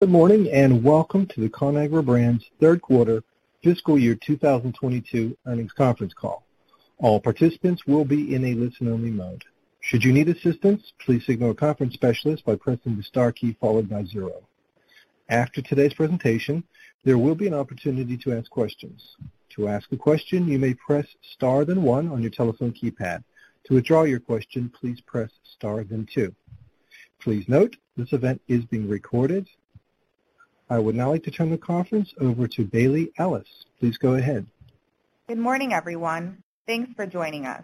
Good morning, and welcome to the Conagra Brands third quarter fiscal year 2022 earnings conference call. All participants will be in a listen-only mode. Should you need assistance, please signal a conference specialist by pressing the star key followed by zero. After today's presentation, there will be an opportunity to ask questions. To ask a question, you may press star then one on your telephone keypad. To withdraw your question, please press star then two. Please note this event is being recorded. I would now like to turn the conference over to Bayle Ellis. Please go ahead. Good morning, everyone. Thanks for joining us.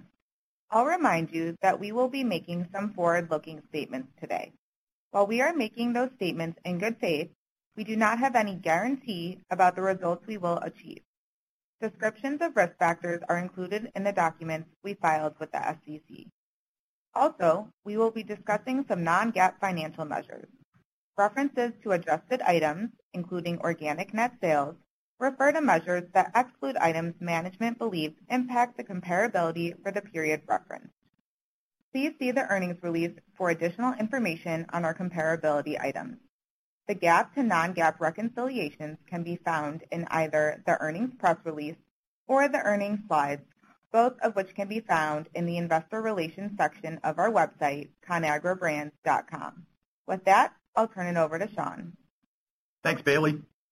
I'll remind you that we will be making some forward-looking statements today. While we are making those statements in good faith, we do not have any guarantee about the results we will achieve. Descriptions of risk factors are included in the documents we filed with the SEC. Also, we will be discussing some non-GAAP financial measures. References to adjusted items, including organic net sales, refer to measures that exclude items management believes impact the comparability for the period referenced. Please see the earnings release for additional information on our comparability items. The GAAP to non-GAAP reconciliations can be found in either the earnings press release or the earnings slides, both of which can be found in the investor relations section of our website, conagrabrands.com. With that, I'll turn it over to Sean. Thanks, Bayle.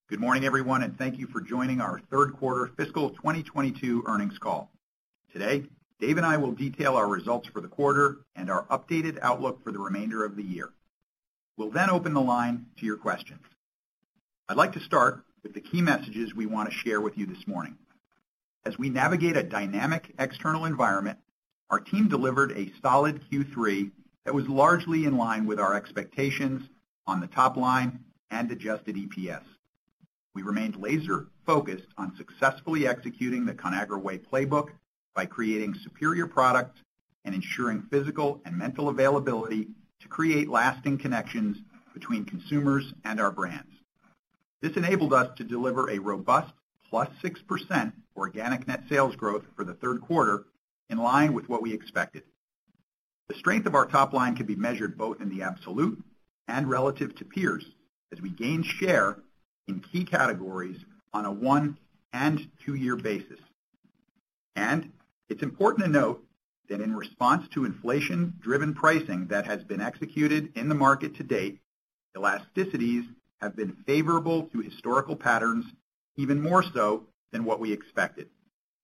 Good morning, everyone, and thank you for joining our third quarter fiscal 2022 earnings call. Today, Dave and I will detail our results for the quarter and our updated outlook for the remainder of the year. We'll then open the line to your questions. I'd like to start with the key messages we want to share with you this morning. As we navigate a dynamic external environment, our team delivered a solid Q3 that was largely in line with our expectations on the top line and adjusted EPS. We remained laser focused on successfully executing the Conagra Way playbook by creating superior products and ensuring physical and mental availability to create lasting connections between consumers and our brands. This enabled us to deliver a robust +6% organic net sales growth for the third quarter, in line with what we expected. The strength of our top line can be measured both in the absolute and relative to peers as we gain share in key categories on a one and two-year basis. It's important to note that in response to inflation driven pricing that has been executed in the market to date, elasticities have been favorable to historical patterns even more so than what we expected.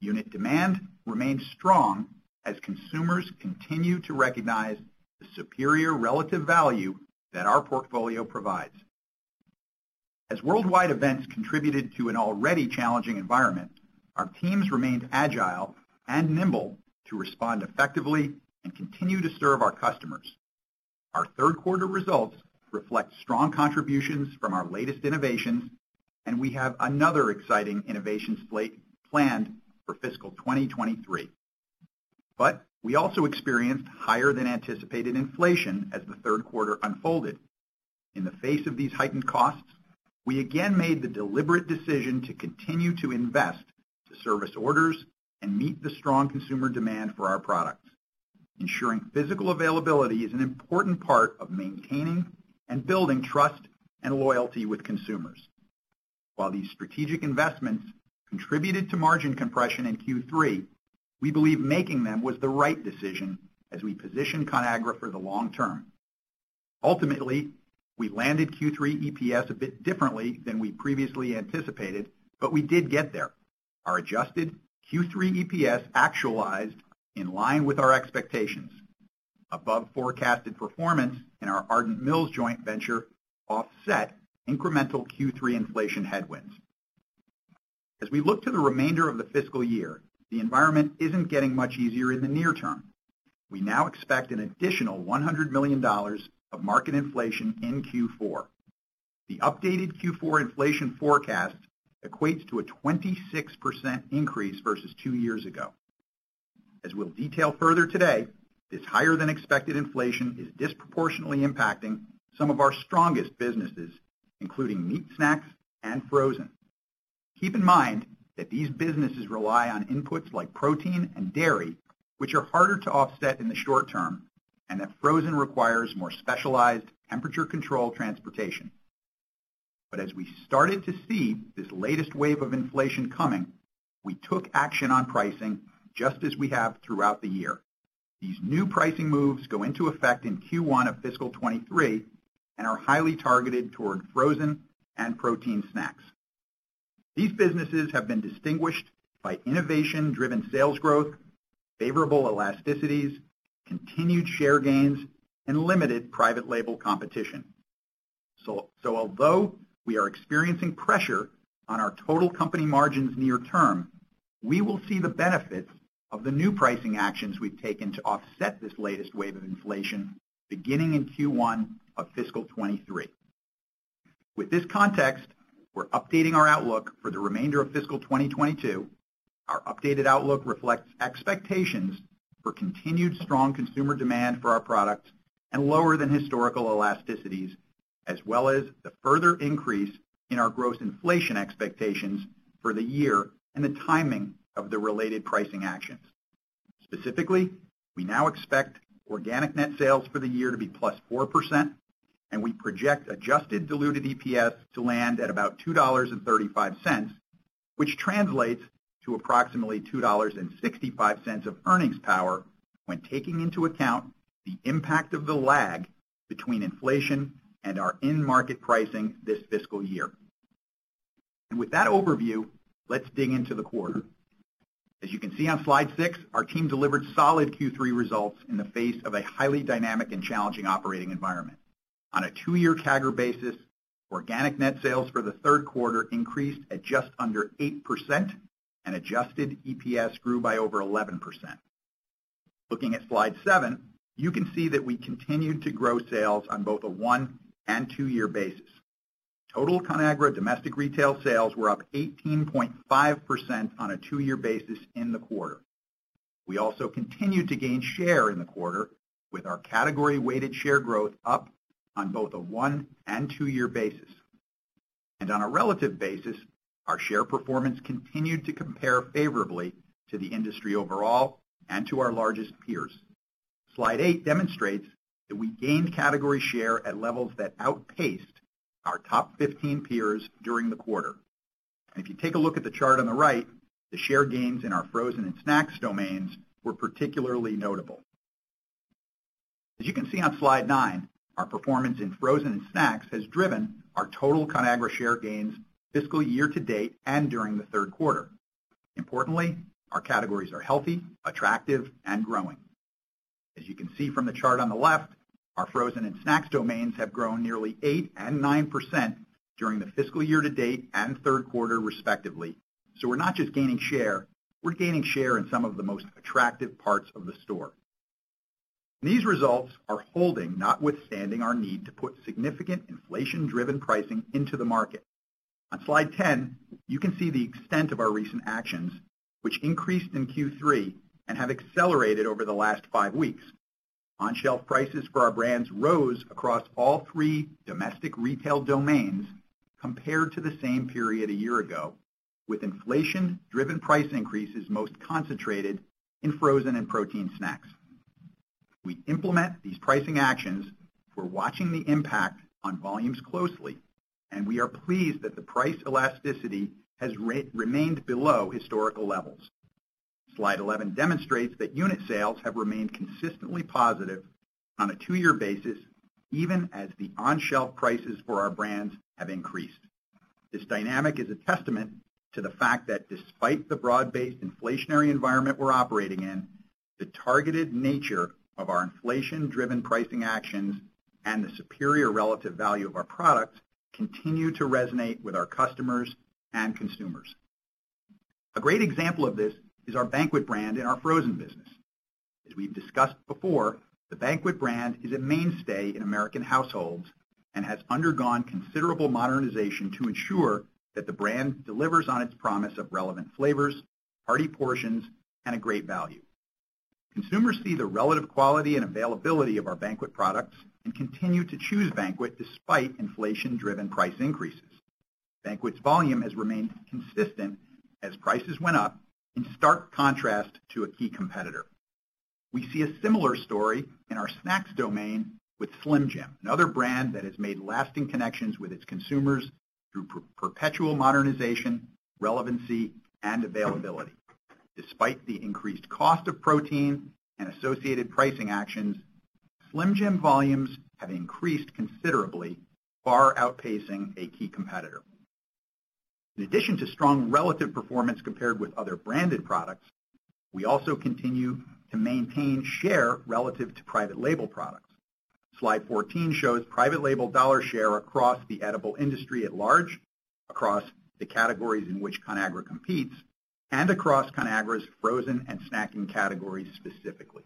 Unit demand remains strong as consumers continue to recognize the superior relative value that our portfolio provides. As worldwide events contributed to an already challenging environment, our teams remained agile and nimble to respond effectively and continue to serve our customers. Our third quarter results reflect strong contributions from our latest innovations, and we have another exciting innovation slate planned for fiscal 2023. We also experienced higher than anticipated inflation as the third quarter unfolded. In the face of these heightened costs, we again made the deliberate decision to continue to invest to service orders and meet the strong consumer demand for our products. Ensuring physical availability is an important part of maintaining and building trust and loyalty with consumers. While these strategic investments contributed to margin compression in Q3, we believe making them was the right decision as we position Conagra for the long term. Ultimately, we landed Q3 EPS a bit differently than we previously anticipated, but we did get there. Our adjusted Q3 EPS actualized in line with our expectations. Above forecasted performance in our Ardent Mills joint venture offset incremental Q3 inflation headwinds. As we look to the remainder of the fiscal year, the environment isn't getting much easier in the near term. We now expect an additional $100 million of market inflation in Q4. The updated Q4 inflation forecast equates to a 26% increase versus two years ago. As we'll detail further today, this higher than expected inflation is disproportionately impacting some of our strongest businesses, including meat, snacks, and frozen. Keep in mind that these businesses rely on inputs like protein and dairy, which are harder to offset in the short term, and that frozen requires more specialized temperature control transportation. As we started to see this latest wave of inflation coming, we took action on pricing just as we have throughout the year. These new pricing moves go into effect in Q1 of fiscal 2023 and are highly targeted toward frozen and protein snacks. These businesses have been distinguished by innovation driven sales growth, favorable elasticities, continued share gains, and limited private label competition. Although we are experiencing pressure on our total company margins near term, we will see the benefits of the new pricing actions we've taken to offset this latest wave of inflation beginning in Q1 of fiscal 2023. With this context, we're updating our outlook for the remainder of fiscal 2022. Our updated outlook reflects expectations for continued strong consumer demand for our products and lower than historical elasticities, as well as the further increase in our gross inflation expectations for the year and the timing of the related pricing actions. Specifically, we now expect organic net sales for the year to be +4%, and we project adjusted diluted EPS to land at about $2.35, which translates to approximately $2.65 of earnings power when taking into account the impact of the lag between inflation and our end market pricing this fiscal year. With that overview, let's dig into the quarter. As you can see on slide six, our team delivered solid Q3 results in the face of a highly dynamic and challenging operating environment. On a two-year CAGR basis, organic net sales for the third quarter increased at just under 8%, and adjusted EPS grew by over 11%. Looking at slide seven, you can see that we continued to grow sales on both a one and two-year basis. Total Conagra domestic retail sales were up 18.5% on a two-year basis in the quarter. We also continued to gain share in the quarter with our category weighted share growth up on both a one and two-year basis. On a relative basis, our share performance continued to compare favorably to the industry overall and to our largest peers. Slide eight demonstrates that we gained category share at levels that outpaced our top 15 peers during the quarter. If you take a look at the chart on the right, the share gains in our frozen and snacks domains were particularly notable. As you can see on slide nine, our performance in frozen and snacks has driven our total Conagra share gains fiscal year to date and during the third quarter. Importantly, our categories are healthy, attractive, and growing. As you can see from the chart on the left, our frozen and snacks domains have grown nearly 8% and 9% during the fiscal year-to-date and third quarter, respectively. We're not just gaining share, we're gaining share in some of the most attractive parts of the store. These results are holding, notwithstanding our need to put significant inflation-driven pricing into the market. On slide 10, you can see the extent of our recent actions, which increased in Q3 and have accelerated over the last five weeks. On-shelf prices for our brands rose across all three domestic retail domains compared to the same period a year ago, with inflation-driven price increases most concentrated in frozen and protein snacks. We implement these pricing actions while watching the impact on volumes closely, and we are pleased that the price elasticity has remained below historical levels. Slide 11 demonstrates that unit sales have remained consistently positive on a two-year basis, even as the on-shelf prices for our brands have increased. This dynamic is a testament to the fact that despite the broad-based inflationary environment we're operating in, the targeted nature of our inflation-driven pricing actions and the superior relative value of our products continue to resonate with our customers and consumers. A great example of this is our Banquet brand in our frozen business. As we've discussed before, the Banquet brand is a mainstay in American households and has undergone considerable modernization to ensure that the brand delivers on its promise of relevant flavors, hearty portions, and a great value. Consumers see the relative quality and availability of our Banquet products and continue to choose Banquet despite inflation-driven price increases. Banquet's volume has remained consistent as prices went up, in stark contrast to a key competitor. We see a similar story in our snacks domain with Slim Jim, another brand that has made lasting connections with its consumers through perpetual modernization, relevancy, and availability. Despite the increased cost of protein and associated pricing actions, Slim Jim volumes have increased considerably, far outpacing a key competitor. In addition to strong relative performance compared with other branded products, we also continue to maintain share relative to private label products. Slide 14 shows private label dollar share across the edible industry at large, across the categories in which Conagra competes, and across Conagra's frozen and snacking categories specifically.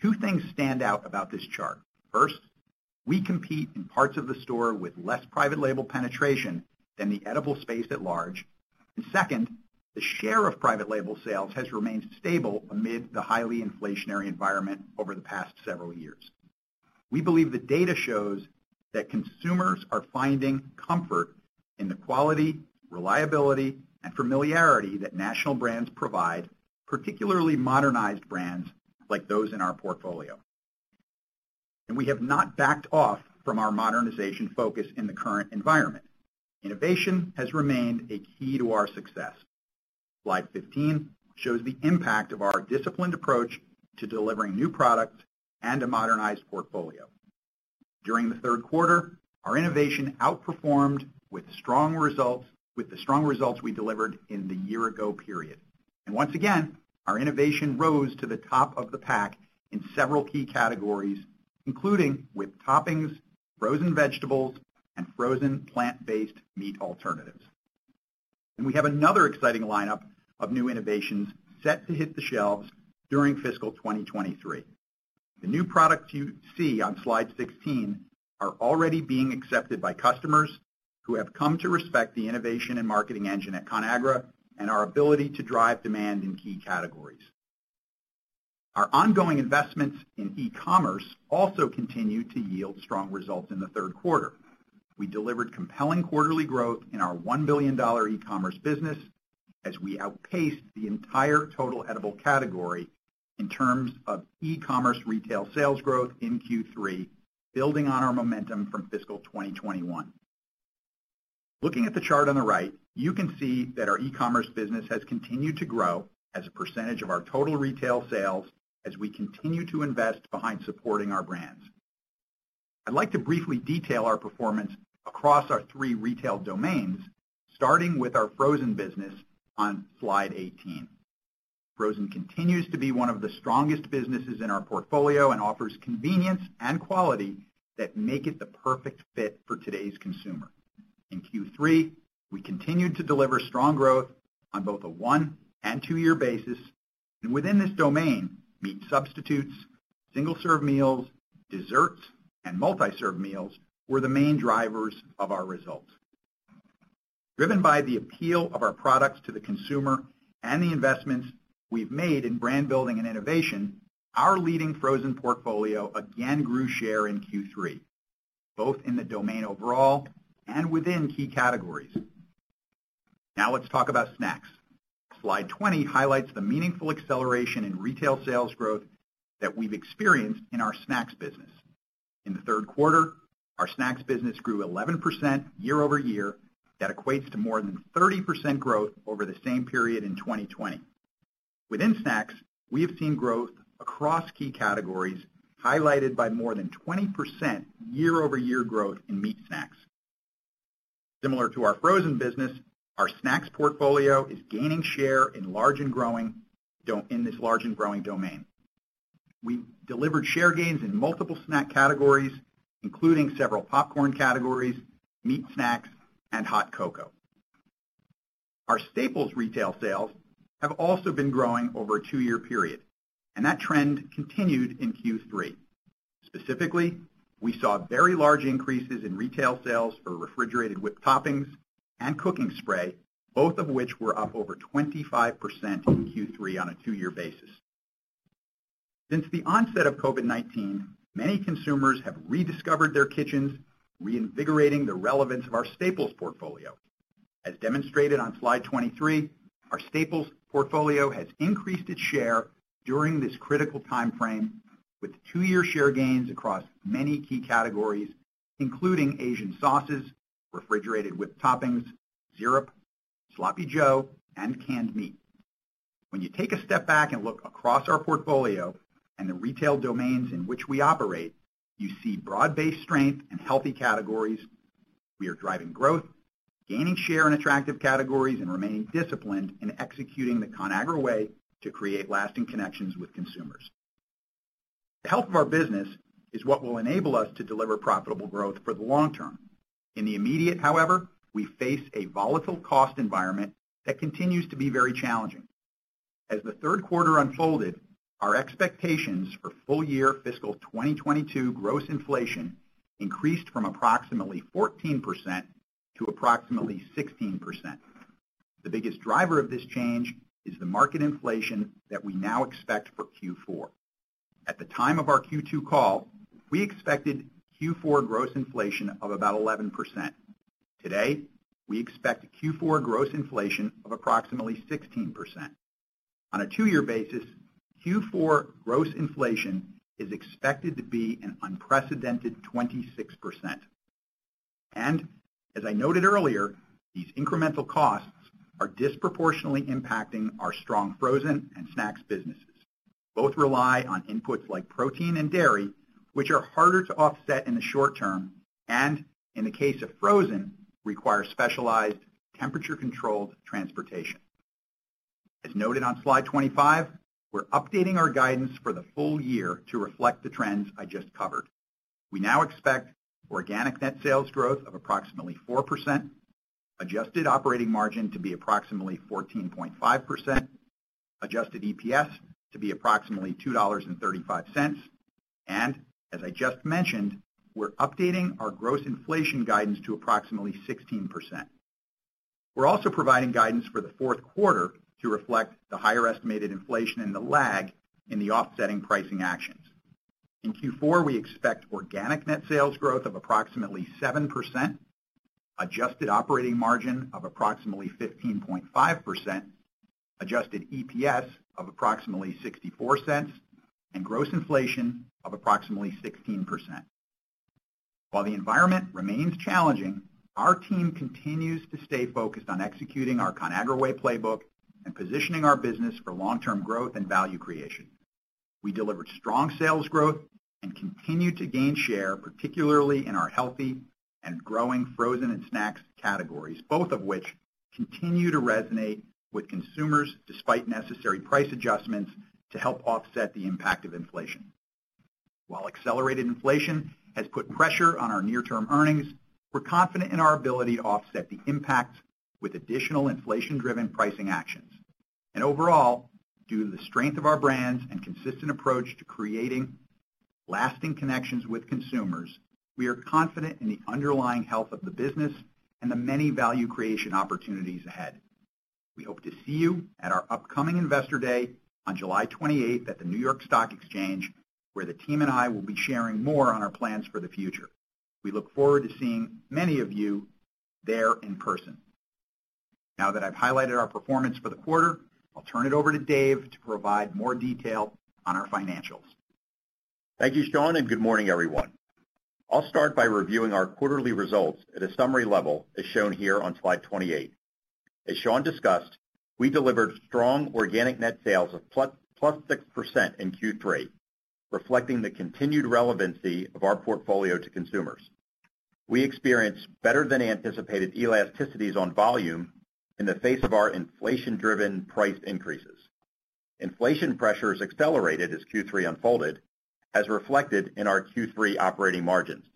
Two things stand out about this chart. First, we compete in parts of the store with less private label penetration than the edible space at large. Second, the share of private label sales has remained stable amid the highly inflationary environment over the past several years. We believe the data shows that consumers are finding comfort in the quality, reliability, and familiarity that national brands provide, particularly modernized brands like those in our portfolio. We have not backed off from our modernization focus in the current environment. Innovation has remained a key to our success. Slide 15 shows the impact of our disciplined approach to delivering new products and a modernized portfolio. During the third quarter, our innovation outperformed with the strong results we delivered in the year ago period. Once again, our innovation rose to the top of the pack in several key categories, including with toppings, frozen vegetables, and frozen plant-based meat alternatives. We have another exciting lineup of new innovations set to hit the shelves during fiscal 2023. The new products you see on slide 16 are already being accepted by customers who have come to respect the innovation and marketing engine at Conagra and our ability to drive demand in key categories. Our ongoing investments in e-commerce also continued to yield strong results in the third quarter. We delivered compelling quarterly growth in our $1 billion e-commerce business as we outpaced the entire total edible category in terms of e-commerce retail sales growth in Q3, building on our momentum from fiscal 2021. Looking at the chart on the right, you can see that our e-commerce business has continued to grow as a percentage of our total retail sales as we continue to invest behind supporting our brands. I'd like to briefly detail our performance across our three retail domains, starting with our frozen business on slide 18. Frozen continues to be one of the strongest businesses in our portfolio and offers convenience and quality that make it the perfect fit for today's consumer. In Q3, we continued to deliver strong growth on both a one and two-year basis, and within this domain, meat substitutes, single-serve meals, desserts, and multi-serve meals were the main drivers of our results. Driven by the appeal of our products to the consumer and the investments we've made in brand building and innovation, our leading frozen portfolio again grew share in Q3, both in the domain overall and within key categories. Now let's talk about snacks. Slide 20 highlights the meaningful acceleration in retail sales growth that we've experienced in our snacks business. In the third quarter, our snacks business grew 11% year-over-year. That equates to more than 30% growth over the same period in 2020. Within snacks, we have seen growth across key categories, highlighted by more than 20% year-over-year growth in meat snacks. Similar to our frozen business, our snacks portfolio is gaining share in large and growing in this large and growing domain. We delivered share gains in multiple snack categories, including several popcorn categories, meat snacks, and hot cocoa. Our staples retail sales have also been growing over a two-year period, and that trend continued in Q3. Specifically, we saw very large increases in retail sales for refrigerated whipped toppings and cooking spray, both of which were up over 25% in Q3 on a two-year basis. Since the onset of COVID-19, many consumers have rediscovered their kitchens, reinvigorating the relevance of our staples portfolio. As demonstrated on slide 23, our staples portfolio has increased its share during this critical timeframe with two-year share gains across many key categories, including Asian sauces, refrigerated whipped toppings, syrup, sloppy joe, and canned meat. When you take a step back and look across our portfolio and the retail domains in which we operate, you see broad-based strength in healthy categories. We are driving growth, gaining share in attractive categories and remaining disciplined in executing the Conagra Way to create lasting connections with consumers. The health of our business is what will enable us to deliver profitable growth for the long term. In the immediate, however, we face a volatile cost environment that continues to be very challenging. As the third quarter unfolded, our expectations for full year fiscal 2022 gross inflation increased from approximately 14% to approximately 16%. The biggest driver of this change is the market inflation that we now expect for Q4. At the time of our Q2 call, we expected Q4 gross inflation of about 11%. Today, we expect Q4 gross inflation of approximately 16%. On a two-year basis, Q4 gross inflation is expected to be an unprecedented 26%. As I noted earlier, these incremental costs are disproportionately impacting our strong frozen and snacks businesses. Both rely on inputs like protein and dairy, which are harder to offset in the short term and, in the case of frozen, require specialized temperature-controlled transportation. As noted on slide 25, we're updating our guidance for the full year to reflect the trends I just covered. We now expect organic net sales growth of approximately 4%, adjusted operating margin to be approximately 14.5%, adjusted EPS to be approximately $2.35, and as I just mentioned, we're updating our gross inflation guidance to approximately 16%. We're also providing guidance for the fourth quarter to reflect the higher estimated inflation and the lag in the offsetting pricing actions. In Q4, we expect organic net sales growth of approximately 7%, adjusted operating margin of approximately 15.5%, adjusted EPS of approximately $0.64, and gross inflation of approximately 16%. While the environment remains challenging, our team continues to stay focused on executing our Conagra Way playbook and positioning our business for long-term growth and value creation. We delivered strong sales growth and continue to gain share, particularly in our healthy and growing frozen and snacks categories, both of which continue to resonate with consumers despite necessary price adjustments to help offset the impact of inflation. While accelerated inflation has put pressure on our near-term earnings, we're confident in our ability to offset the impact with additional inflation-driven pricing actions. Overall, due to the strength of our brands and consistent approach to creating lasting connections with consumers, we are confident in the underlying health of the business and the many value creation opportunities ahead. We hope to see you at our upcoming Investor Day on July 28th at the New York Stock Exchange, where the team and I will be sharing more on our plans for the future. We look forward to seeing many of you there in person. Now that I've highlighted our performance for the quarter, I'll turn it over to Dave to provide more detail on our financials. Thank you, Sean, and good morning, everyone. I'll start by reviewing our quarterly results at a summary level, as shown here on slide 28. As Sean discussed, we delivered strong organic net sales of +6% in Q3, reflecting the continued relevancy of our portfolio to consumers. We experienced better than anticipated elasticities on volume in the face of our inflation-driven price increases. Inflation pressures accelerated as Q3 unfolded, as reflected in our Q3 operating margins.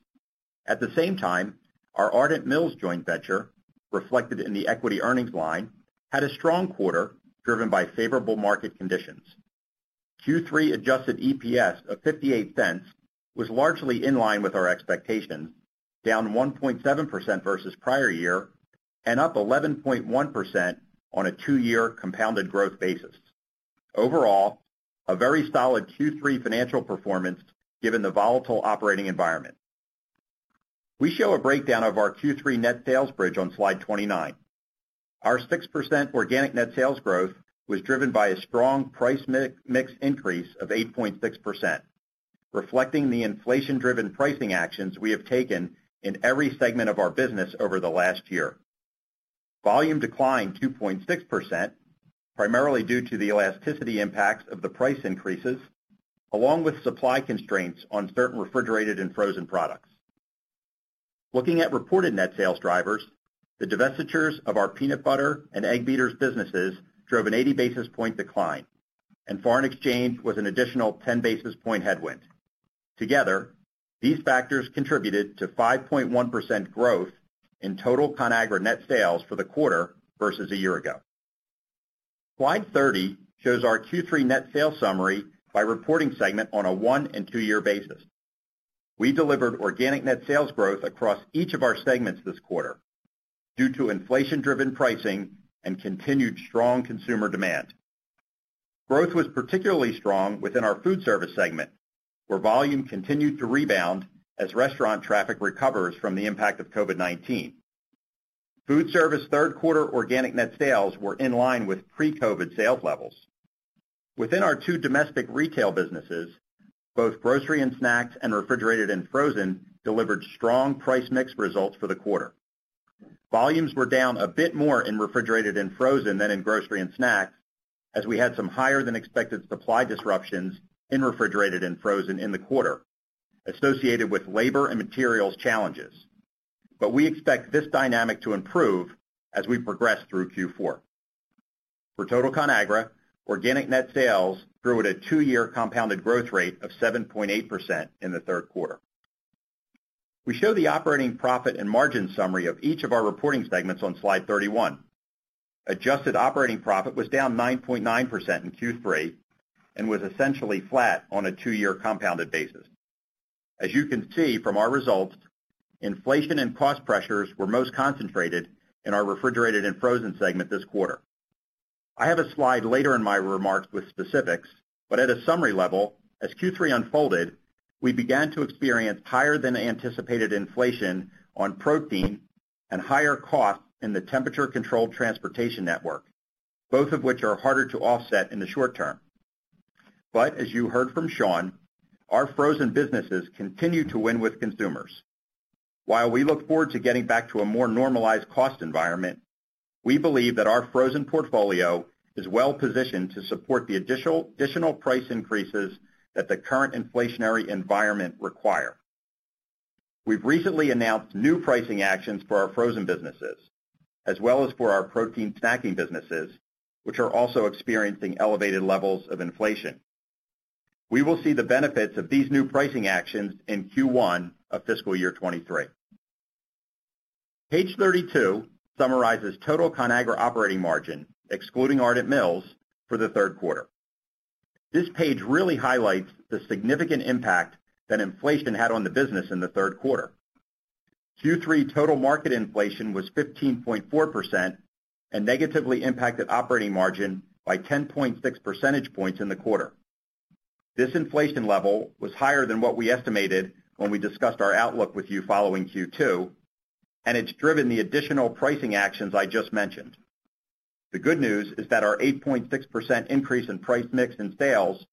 At the same time, our Ardent Mills joint venture, reflected in the equity earnings line, had a strong quarter driven by favorable market conditions. Q3 adjusted EPS of $0.58 was largely in line with our expectations, down 1.7% versus prior year and up 11.1% on a two-year compounded growth basis. Overall, a very solid Q3 financial performance given the volatile operating environment. We show a breakdown of our Q3 net sales bridge on slide 29. Our 6% organic net sales growth was driven by a strong price mix increase of 8.6%, reflecting the inflation-driven pricing actions we have taken in every segment of our business over the last year. Volume declined 2.6%, primarily due to the elasticity impacts of the price increases, along with supply constraints on certain refrigerated and frozen products. Looking at reported net sales drivers, the divestitures of our peanut butter and Egg Beaters businesses drove an 80 basis point decline, and foreign exchange was an additional 10 basis point headwind. Together, these factors contributed to 5.1% growth in total Conagra net sales for the quarter versus a year ago. Slide 30 shows our Q3 net sales summary by reporting segment on a one and two-year basis. We delivered organic net sales growth across each of our segments this quarter due to inflation-driven pricing and continued strong consumer demand. Growth was particularly strong within our Foodservice segment, where volume continued to rebound as restaurant traffic recovers from the impact of COVID-19. Foodservice third quarter organic net sales were in line with pre-COVID sales levels. Within our two domestic retail businesses, both Grocery & Snacks and Refrigerated & Frozen delivered strong price mix results for the quarter. Volumes were down a bit more in Refrigerated & Frozen than in Grocery & Snacks, as we had some higher than expected supply disruptions in Refrigerated & Frozen in the quarter associated with labor and materials challenges. We expect this dynamic to improve as we progress through Q4. For total Conagra, organic net sales grew at a two-year compounded growth rate of 7.8% in the third quarter. We show the operating profit and margin summary of each of our reporting segments on slide 31. Adjusted operating profit was down 9.9% in Q3 and was essentially flat on a two-year compounded basis. As you can see from our results, inflation and cost pressures were most concentrated in our refrigerated and frozen segment this quarter. I have a slide later in my remarks with specifics, but at a summary level, as Q3 unfolded, we began to experience higher than anticipated inflation on protein and higher costs in the temperature-controlled transportation network, both of which are harder to offset in the short term. As you heard from Sean, our frozen businesses continue to win with consumers. While we look forward to getting back to a more normalized cost environment, we believe that our frozen portfolio is well-positioned to support the additional price increases that the current inflationary environment require. We've recently announced new pricing actions for our frozen businesses, as well as for our protein snacking businesses, which are also experiencing elevated levels of inflation. We will see the benefits of these new pricing actions in Q1 of fiscal year 2023. Page 32 summarizes total Conagra operating margin, excluding Ardent Mills, for the third quarter. This page really highlights the significant impact that inflation had on the business in the third quarter. Q3 total market inflation was 15.4% and negatively impacted operating margin by 10.6 percentage points in the quarter. This inflation level was higher than what we estimated when we discussed our outlook with you following Q2, and it's driven the additional pricing actions I just mentioned. The good news is that our 8.6% increase in price mix and sales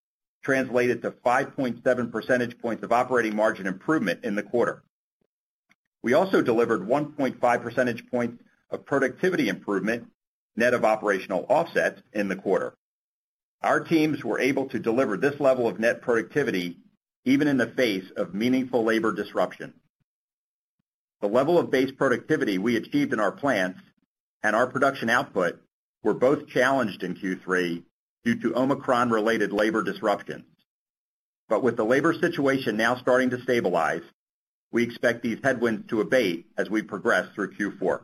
translated to 5.7 percentage points of operating margin improvement in the quarter. We also delivered 1.5 percentage points of productivity improvement, net of operational offsets in the quarter. Our teams were able to deliver this level of net productivity even in the face of meaningful labor disruption. The level of base productivity we achieved in our plants and our production output were both challenged in Q3 due to Omicron-related labor disruptions. With the labor situation now starting to stabilize, we expect these headwinds to abate as we progress through Q4.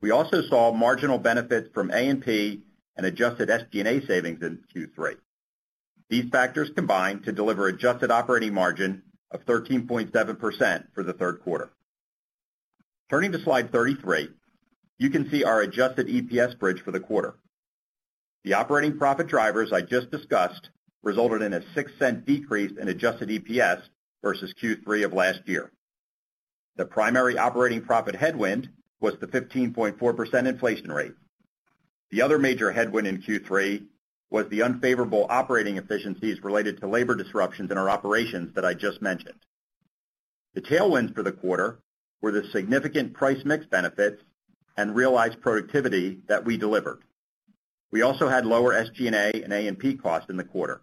We also saw marginal benefits from A&P and adjusted SG&A savings in Q3. These factors combine to deliver adjusted operating margin of 13.7% for the third quarter. Turning to slide 33, you can see our adjusted EPS bridge for the quarter. The operating profit drivers I just discussed resulted in a $0.06 decrease in adjusted EPS versus Q3 of last year. The primary operating profit headwind was the 15.4% inflation rate. The other major headwind in Q3 was the unfavorable operating efficiencies related to labor disruptions in our operations that I just mentioned. The tailwinds for the quarter were the significant price mix benefits and realized productivity that we delivered. We also had lower SG&A and A&P costs in the quarter.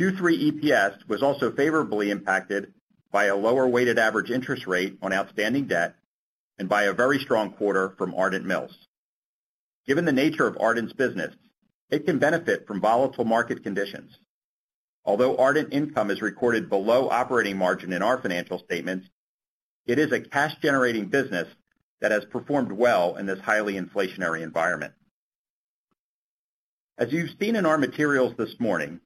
Q3 EPS was also favorably impacted by a lower weighted average interest rate on outstanding debt and by a very strong quarter from Ardent Mills. Given the nature of Ardent's business, it can benefit from volatile market conditions. Although Ardent income is recorded below operating margin in our financial statements, it is a cash-generating business that has performed well in this highly inflationary environment. As you've seen in our materials this morning,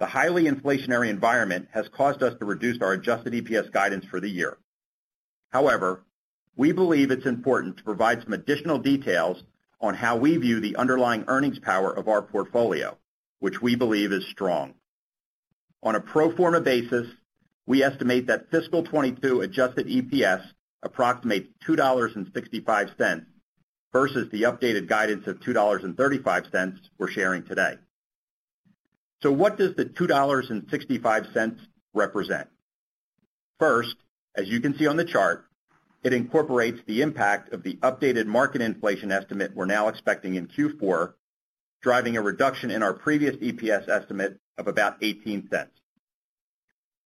the highly inflationary environment has caused us to reduce our adjusted EPS guidance for the year. However, we believe it's important to provide some additional details on how we view the underlying earnings power of our portfolio, which we believe is strong. On a pro forma basis, we estimate that fiscal 2022 adjusted EPS approximates $2.65 versus the updated guidance of $2.35 we're sharing today. What does the $2.65 represent? First, as you can see on the chart, it incorporates the impact of the updated market inflation estimate we're now expecting in Q4, driving a reduction in our previous EPS estimate of about $0.18.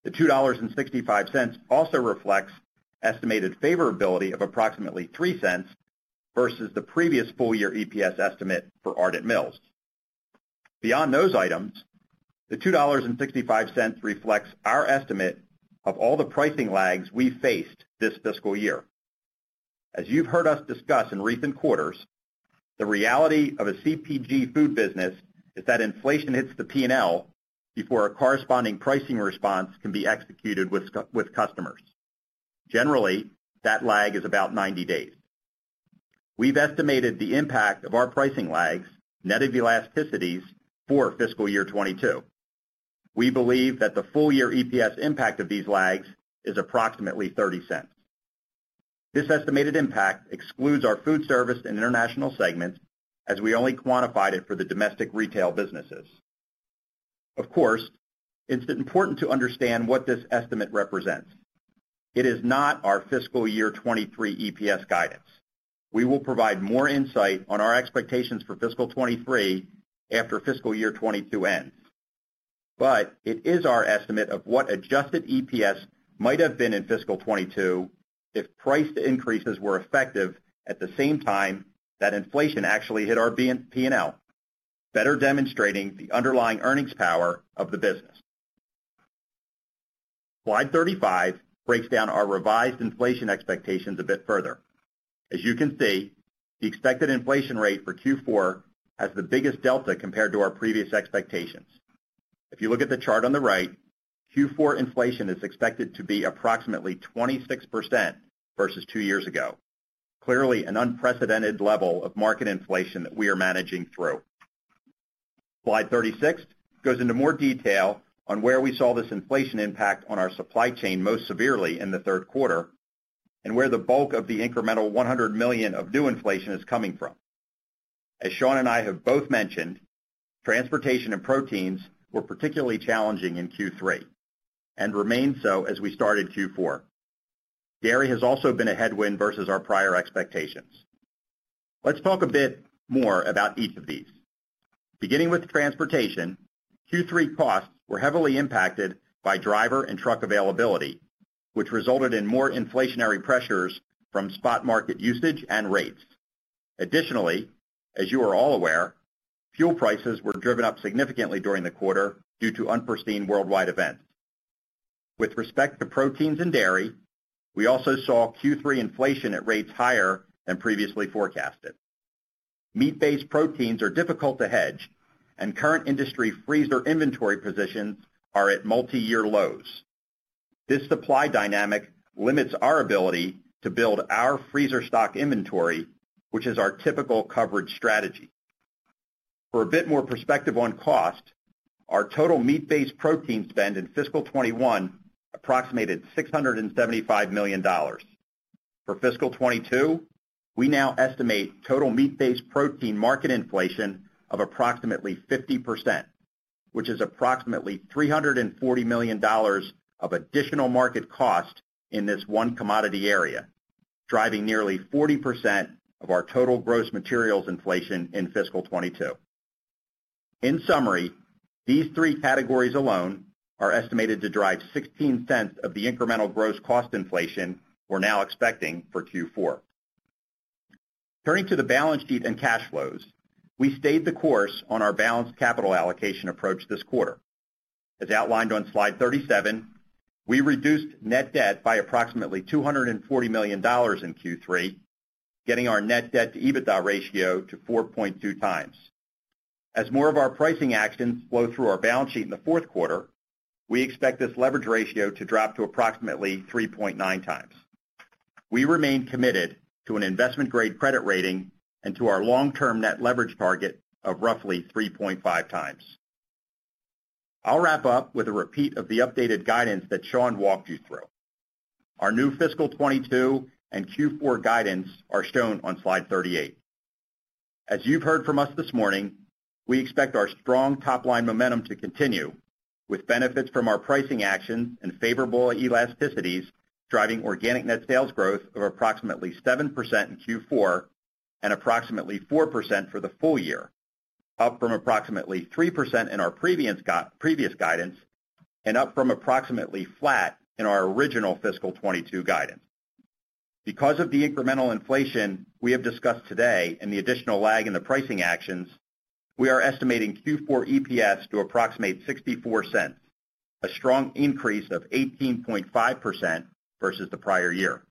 The $2.65 also reflects estimated favorability of approximately $0.03 versus the previous full year EPS estimate for Ardent Mills. Beyond those items, the $2.65 reflects our estimate of all the pricing lags we faced this fiscal year. As you've heard us discuss in recent quarters, the reality of a CPG food business is that inflation hits the P&L before a corresponding pricing response can be executed with customers. Generally, that lag is about 90 days. We've estimated the impact of our pricing lags, net of elasticities for fiscal year 2022. We believe that the full year EPS impact of these lags is approximately $0.30. This estimated impact excludes our food service and international segments as we only quantified it for the domestic retail businesses. Of course, it's important to understand what this estimate represents. It is not our fiscal year 2023 EPS guidance. We will provide more insight on our expectations for fiscal 2023 after fiscal year 2022 ends. It is our estimate of what adjusted EPS might have been in fiscal year 2022 if price increases were effective at the same time that inflation actually hit our P&L, better demonstrating the underlying earnings power of the business. Slide 35 breaks down our revised inflation expectations a bit further. As you can see, the expected inflation rate for Q4 has the biggest delta compared to our previous expectations. If you look at the chart on the right, Q4 inflation is expected to be approximately 26% versus two years ago. Clearly an unprecedented level of market inflation that we are managing through. Slide 36 goes into more detail on where we saw this inflation impact on our supply chain most severely in the third quarter, and where the bulk of the incremental $100 million of new inflation is coming from. As Sean and I have both mentioned, transportation and proteins were particularly challenging in Q3 and remain so as we start in Q4. Dairy has also been a headwind versus our prior expectations. Let's talk a bit more about each of these. Beginning with transportation, Q3 costs were heavily impacted by driver and truck availability, which resulted in more inflationary pressures from spot market usage and rates. Additionally, as you are all aware, fuel prices were driven up significantly during the quarter due to unforeseen worldwide events. With respect to proteins and dairy, we also saw Q3 inflation at rates higher than previously forecasted. Meat-based proteins are difficult to hedge, and current industry freezer inventory positions are at multi-year lows. This supply dynamic limits our ability to build our freezer stock inventory, which is our typical coverage strategy. For a bit more perspective on cost, our total meat-based protein spend in fiscal 2021 approximated $675 million. For fiscal 2022, we now estimate total meat-based protein market inflation of approximately 50%, which is approximately $340 million of additional market cost in this one commodity area, driving nearly 40% of our total gross materials inflation in fiscal 2022. In summary, these three categories alone are estimated to drive $0.16 of the incremental gross cost inflation we're now expecting for Q4. Turning to the balance sheet and cash flows, we stayed the course on our balanced capital allocation approach this quarter. As outlined on slide 37, we reduced net debt by approximately $240 million in Q3, getting our net debt to EBITDA ratio to 4.2x. As more of our pricing actions flow through our balance sheet in the fourth quarter, we expect this leverage ratio to drop to approximately 3.9x. We remain committed to an investment grade credit rating and to our long-term net leverage target of roughly 3.5x. I'll wrap up with a repeat of the updated guidance that Sean walked you through. Our new fiscal 2022 and Q4 guidance are shown on slide 38. As you've heard from us this morning, we expect our strong top-line momentum to continue with benefits from our pricing actions and favorable elasticities driving organic net sales growth of approximately 7% in Q4 and approximately 4% for the full year, up from approximately 3% in our previous guidance and up from approximately flat in our original fiscal 2022 guidance. Because of the incremental inflation we have discussed today and the additional lag in the pricing actions, we are estimating Q4 EPS to approximate $0.64, a strong increase of 18.5% versus the prior year.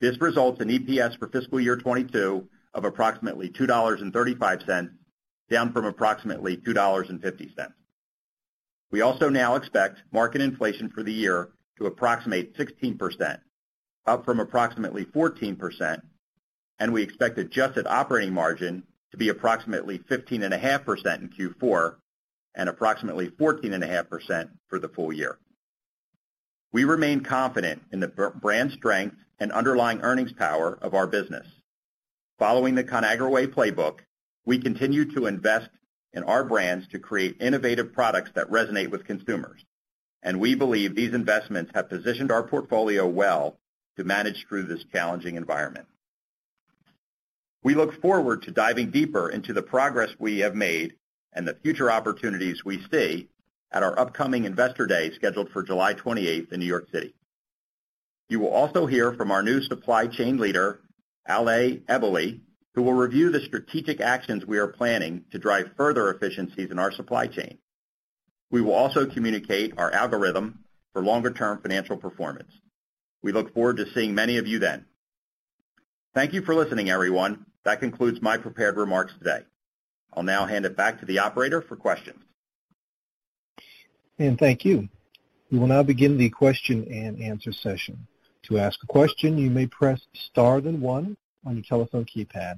This results in EPS for fiscal year 2022 of approximately $2.35, down from approximately $2.50. We also now expect market inflation for the year to approximate 16%, up from approximately 14%, and we expect adjusted operating margin to be approximately 15.5% in Q4 and approximately 14.5% for the full year. We remain confident in the brand strength and underlying earnings power of our business. Following the Conagra Way playbook, we continue to invest in our brands to create innovative products that resonate with consumers, and we believe these investments have positioned our portfolio well to manage through this challenging environment. We look forward to diving deeper into the progress we have made and the future opportunities we see at our upcoming Investor Day scheduled for July 28th in New York City. You will also hear from our new supply chain leader, Ale Eboli, who will review the strategic actions we are planning to drive further efficiencies in our supply chain. We will also communicate our algorithm for longer term financial performance. We look forward to seeing many of you then. Thank you for listening, everyone. That concludes my prepared remarks today. I'll now hand it back to the operator for questions. Thank you. We will now begin the question and answer session. To ask a question, you may press star then one on your telephone keypad.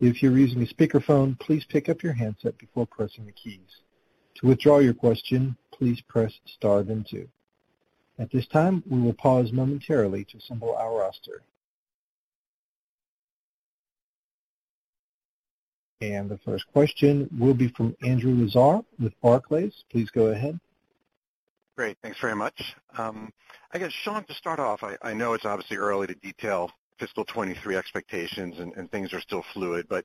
If you're using a speakerphone, please pick up your handset before pressing the keys. To withdraw your question, please press star then two. At this time, we will pause momentarily to assemble our roster. The first question will be from Andrew Lazar with Barclays. Please go ahead. Great. Thanks very much. I guess, Sean, to start off, I know it's obviously early to detail fiscal 2023 expectations and things are still fluid, but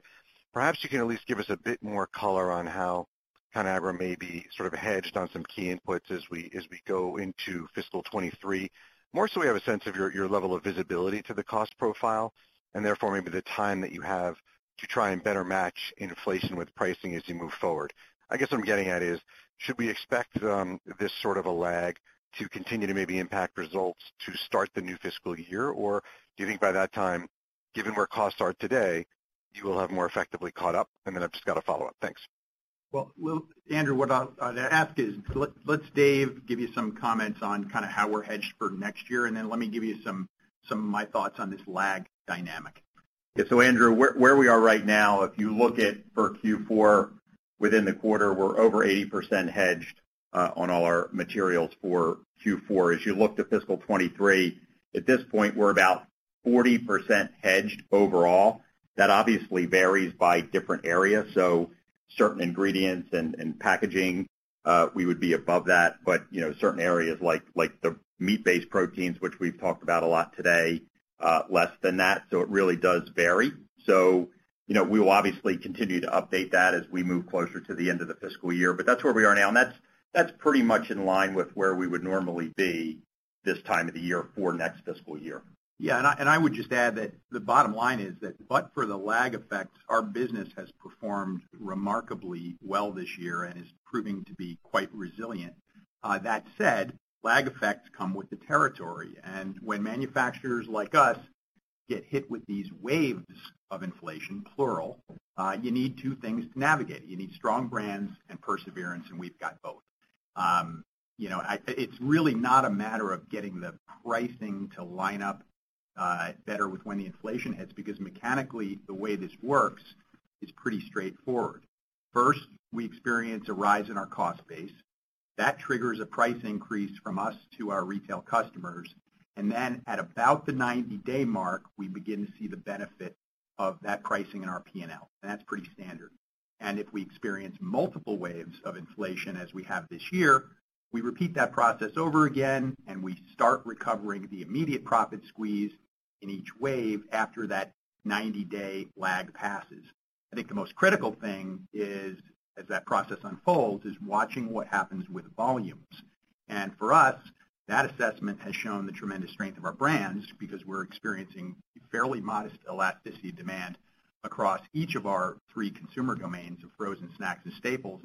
perhaps you can at least give us a bit more color on how Conagra may be sort of hedged on some key inputs as we go into fiscal 2023. More so we have a sense of your level of visibility to the cost profile and therefore maybe the time that you have to try and better match inflation with pricing as you move forward. I guess what I'm getting at is, should we expect this sort of a lag to continue to maybe impact results to start the new fiscal year? Or do you think by that time, given where costs are today, you will have more effectively caught up? I've just got a follow-up. Thanks. Andrew, what I'll ask is, let Dave give you some comments on kinda how we're hedged for next year, and then let me give you some of my thoughts on this lag dynamic. Yeah. Andrew, where we are right now, if you look at for Q4 within the quarter, we're over 80% hedged on all our materials for Q4. As you look to fiscal 2023, at this point, we're about 40% hedged overall. That obviously varies by different areas, so certain ingredients and packaging, we would be above that. But you know, certain areas like the meat-based proteins, which we've talked about a lot today, less than that, so it really does vary. You know, we will obviously continue to update that as we move closer to the end of the fiscal year. That's where we are now, and that's pretty much in line with where we would normally be this time of the year for next fiscal year. I would just add that the bottom line is that but for the lag effects, our business has performed remarkably well this year and is proving to be quite resilient. That said, lag effects come with the territory. When manufacturers like us get hit with these waves of inflation, plural, you need two things to navigate. You need strong brands and perseverance, and we've got both. You know, it's really not a matter of getting the pricing to line up better with when the inflation hits because mechanically the way this works is pretty straightforward. First, we experience a rise in our cost base. That triggers a price increase from us to our retail customers. Then at about the 90-day mark, we begin to see the benefit of that pricing in our P&L. That's pretty standard. If we experience multiple waves of inflation as we have this year, we repeat that process over again and we start recovering the immediate profit squeeze in each wave after that 90-day lag passes. I think the most critical thing is, as that process unfolds, is watching what happens with volume. For us, that assessment has shown the tremendous strength of our brands because we're experiencing fairly modest elasticity demand across each of our three consumer domains of frozen snacks and staples.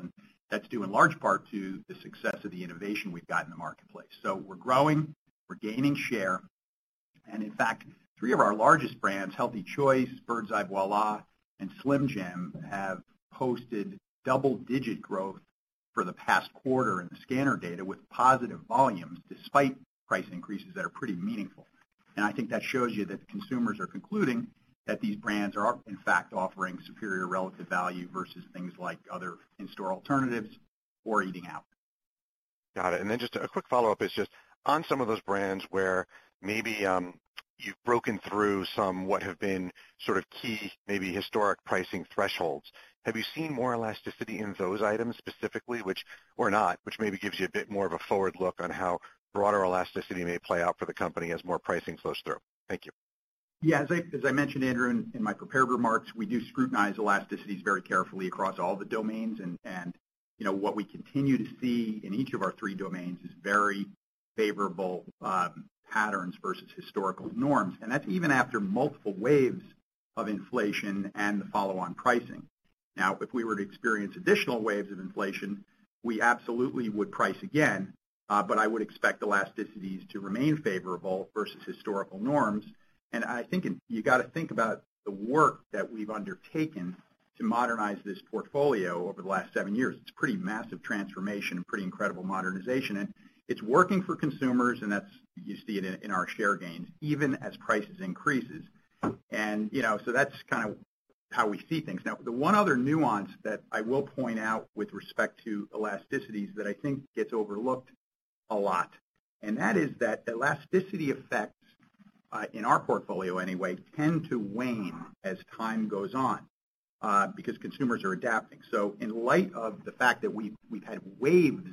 That's due in large part to the success of the innovation we've got in the marketplace. We're growing, we're gaining share. In fact, three of our largest brands, Healthy Choice, Birds Eye Voila!, and Slim Jim, have posted double-digit growth for the past quarter in the scanner data with positive volumes despite price increases that are pretty meaningful. I think that shows you that consumers are concluding that these brands are, in fact, offering superior relative value versus things like other in-store alternatives or eating out. Got it. Just a quick follow-up is just on some of those brands where maybe you've broken through some what have been sort of key, maybe historic pricing thresholds, have you seen more elasticity in those items specifically, which or not, which maybe gives you a bit more of a forward look on how broader elasticity may play out for the company as more pricing flows through? Thank you. Yeah. As I mentioned, Andrew, in my prepared remarks, we do scrutinize elasticities very carefully across all the domains. You know, what we continue to see in each of our three domains is very favorable patterns versus historical norms. That's even after multiple waves of inflation and the follow-on pricing. Now, if we were to experience additional waves of inflation, we absolutely would price again, but I would expect elasticities to remain favorable versus historical norms. I think you gotta think about the work that we've undertaken to modernize this portfolio over the last seven years. It's pretty massive transformation and pretty incredible modernization. It's working for consumers, and that's. You see it in our share gains, even as price increases. You know, that's kinda how we see things. Now, the one other nuance that I will point out with respect to elasticities that I think gets overlooked a lot, and that is that elasticity effects in our portfolio anyway, tend to wane as time goes on, because consumers are adapting. So in light of the fact that we've had waves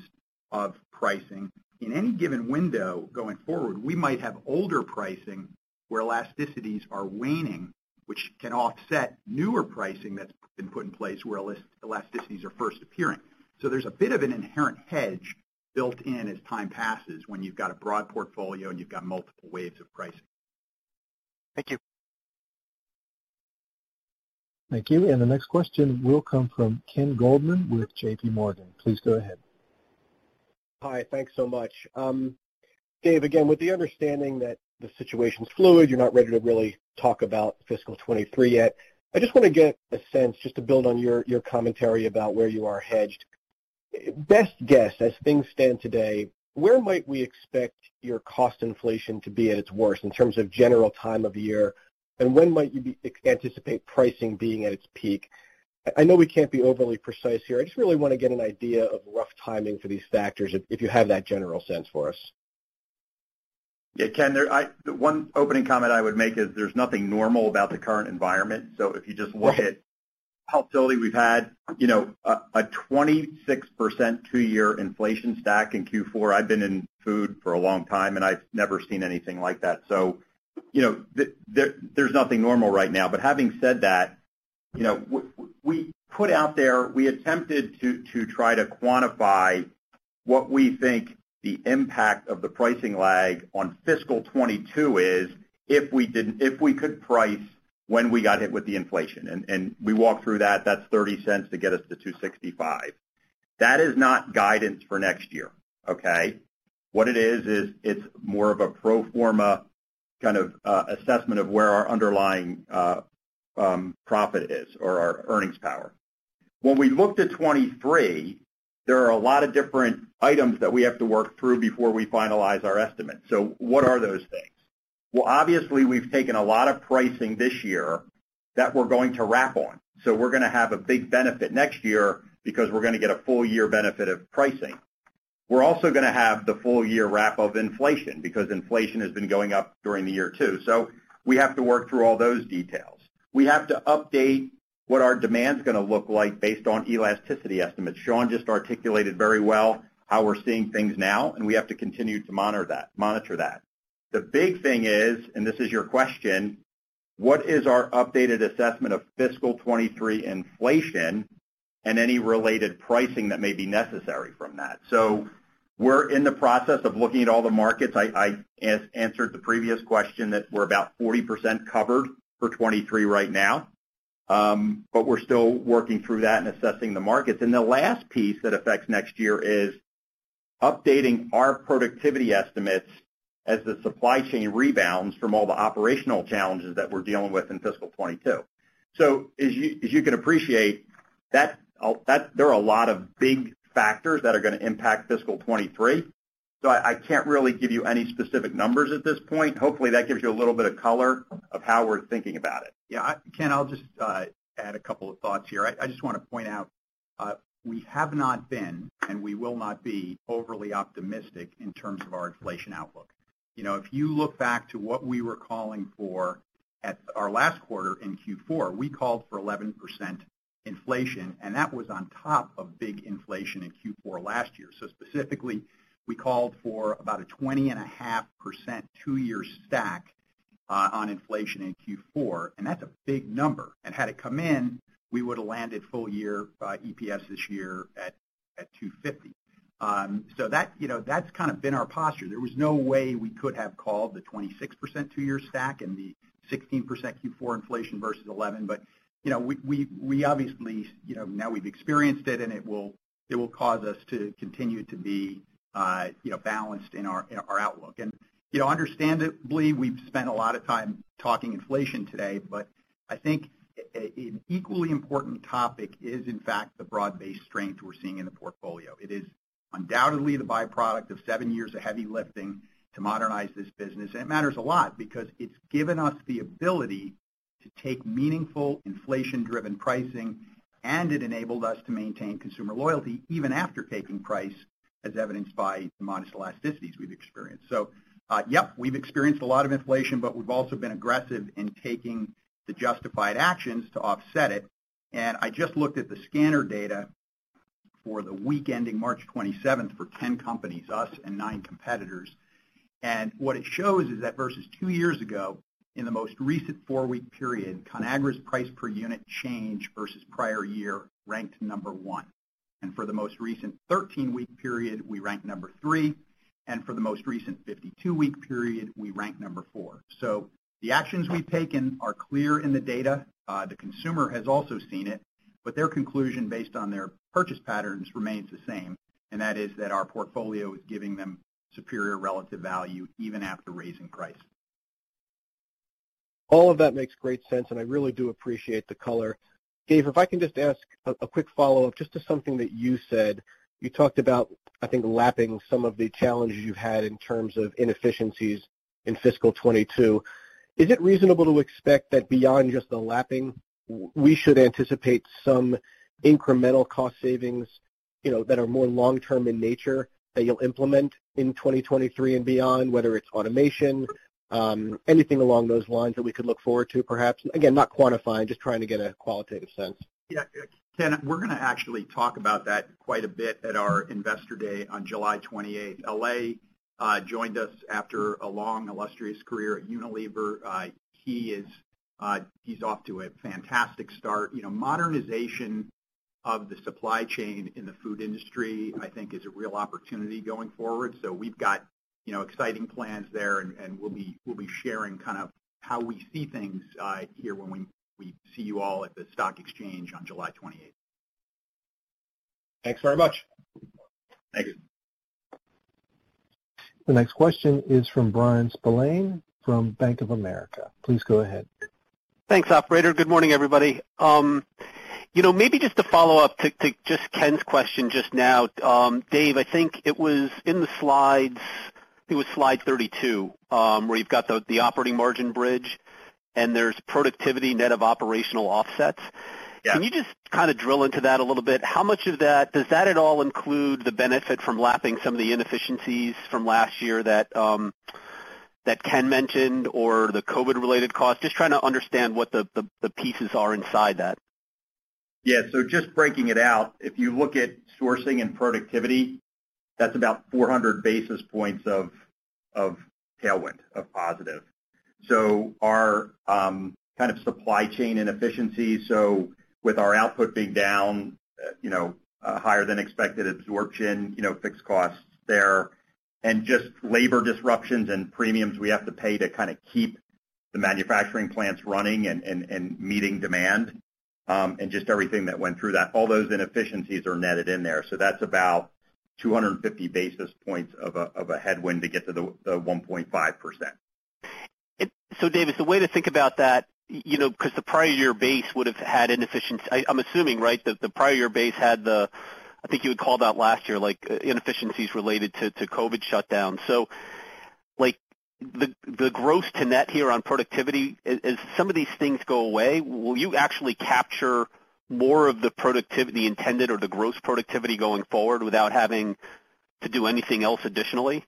of pricing in any given window going forward, we might have older pricing where elasticities are waning, which can offset newer pricing that's been put in place where elasticities are first appearing. So there's a bit of an inherent hedge built in as time passes when you've got a broad portfolio and you've got multiple waves of pricing. Thank you. Thank you. The next question will come from Ken Goldman with J.P. Morgan. Please go ahead. Hi. Thanks so much. Dave, again, with the understanding that the situation's fluid, you're not ready to really talk about fiscal 2023 yet. I just wanna get a sense, just to build on your commentary about where you are hedged. Best guess, as things stand today, where might we expect your cost inflation to be at its worst in terms of general time of year, and when might you anticipate pricing being at its peak? I know we can't be overly precise here. I just really wanna get an idea of rough timing for these factors if you have that general sense for us. Yeah, Ken, the one opening comment I would make is there's nothing normal about the current environment. If you just look at how total we've had, you know, a 26% two-year inflation stack in Q4. I've been in food for a long time, and I've never seen anything like that. You know, there's nothing normal right now. Having said that, you know, we put out there, we attempted to try to quantify what we think the impact of the pricing lag on fiscal 2022 is if we could price when we got hit with the inflation. We walked through that's $0.30 to get us to $2.65. That is not guidance for next year, okay? What it is it's more of a pro forma kind of assessment of where our underlying profit is or our earnings power. When we looked at 2023, there are a lot of different items that we have to work through before we finalize our estimate. What are those things? Well, obviously, we've taken a lot of pricing this year that we're going to wrap on. We're gonna have a big benefit next year because we're gonna get a full year benefit of pricing. We're also gonna have the full year wrap of inflation because inflation has been going up during the year, too. We have to work through all those details. We have to update what our demand's gonna look like based on elasticity estimates. Sean just articulated very well how we're seeing things now, and we have to continue to monitor that. The big thing is, and this is your question: What is our updated assessment of fiscal 2023 inflation and any related pricing that may be necessary from that? We're in the process of looking at all the markets. I answered the previous question that we're about 40% covered for 2023 right now. But we're still working through that and assessing the markets. The last piece that affects next year is updating our productivity estimates as the supply chain rebounds from all the operational challenges that we're dealing with in fiscal 2022. As you can appreciate, there are a lot of big factors that are gonna impact fiscal 2023, so I can't really give you any specific numbers at this point. Hopefully, that gives you a little bit of color of how we're thinking about it. Yeah. Ken, I'll just add a couple of thoughts here. I just wanna point out, we have not been, and we will not be overly optimistic in terms of our inflation outlook. You know, if you look back to what we were calling for at our last quarter in Q4, we called for 11% inflation, and that was on top of big inflation in Q4 last year. Specifically, we called for about a 20.5% two-year stack on inflation in Q4, and that's a big number. Had it come in, we would've landed full year EPS this year at $2.50. You know, that's kind of been our posture. There was no way we could have called the 26% two-year stack and the 16% Q4 inflation versus 11%. You know, we obviously, you know, now we've experienced it, and it will cause us to continue to be, you know, balanced in our outlook. You know, understandably, we've spent a lot of time talking inflation today, but I think an equally important topic is in fact the broad-based strength we're seeing in the portfolio. It is undoubtedly the byproduct of seven years of heavy lifting to modernize this business. It matters a lot because it's given us the ability to take meaningful inflation-driven pricing, and it enabled us to maintain consumer loyalty even after taking price, as evidenced by the modest elasticities we've experienced. We've experienced a lot of inflation, but we've also been aggressive in taking the justified actions to offset it. I just looked at the scanner data for the week ending March 27th for 10 companies, us and nine competitors. What it shows is that versus two years ago, in the most recent four-week period, Conagra's price per unit change versus prior year ranked number one. For the most recent 13-week period, we ranked number three, and for the most recent 52-week period, we ranked number four. The actions we've taken are clear in the data. The consumer has also seen it, but their conclusion based on their purchase patterns remains the same, and that is that our portfolio is giving them superior relative value even after raising price. All of that makes great sense, and I really do appreciate the color. Dave, if I can just ask a quick follow-up just to something that you said. You talked about, I think, lapping some of the challenges you've had in terms of inefficiencies in fiscal 2022. Is it reasonable to expect that beyond just the lapping, we should anticipate some incremental cost savings, you know, that are more long term in nature that you'll implement in 2023 and beyond, whether it's automation, anything along those lines that we could look forward to, perhaps? Again, not quantifying, just trying to get a qualitative sense. Yeah, Ken, we're gonna actually talk about that quite a bit at our Investor Day on July 28th. Ale joined us after a long, illustrious career at Unilever. He's off to a fantastic start. You know, modernization of the supply chain in the food industry, I think, is a real opportunity going forward. We've got, you know, exciting plans there, and we'll be sharing kind of how we see things here when we see you all at the stock exchange on July 28th. Thanks very much. Thank you. The next question is from Bryan Spillane from Bank of America. Please go ahead. Thanks, operator. Good morning, everybody. You know, maybe just to follow up to just Ken's question just now. Dave, I think it was in the slides, I think it was slide 32, where you've got the operating margin bridge and there's productivity net of operational offsets. Yeah. Can you just kinda drill into that a little bit? How much of that does that at all include the benefit from lapping some of the inefficiencies from last year that Ken mentioned or the COVID-related costs? Just trying to understand what the pieces are inside that. Yeah. Just breaking it out, if you look at sourcing and productivity, that's about 400 basis points of tailwind, of positive. Our kind of supply chain inefficiencies, so with our output being down, you know, higher than expected absorption, you know, fixed costs there. Just labor disruptions and premiums we have to pay to kinda keep the manufacturing plants running and meeting demand, and just everything that went through that, all those inefficiencies are netted in there. That's about 250 basis points of a headwind to get to the 1.5%. Dave, is the way to think about that, you know, 'cause the prior year base would've had, I'm assuming, right, that the prior year base had the, I think you had called out last year, like, inefficiencies related to COVID shutdowns. Like, the gross to net here on productivity, as some of these things go away, will you actually capture more of the productivity intended or the gross productivity going forward without having to do anything else additionally?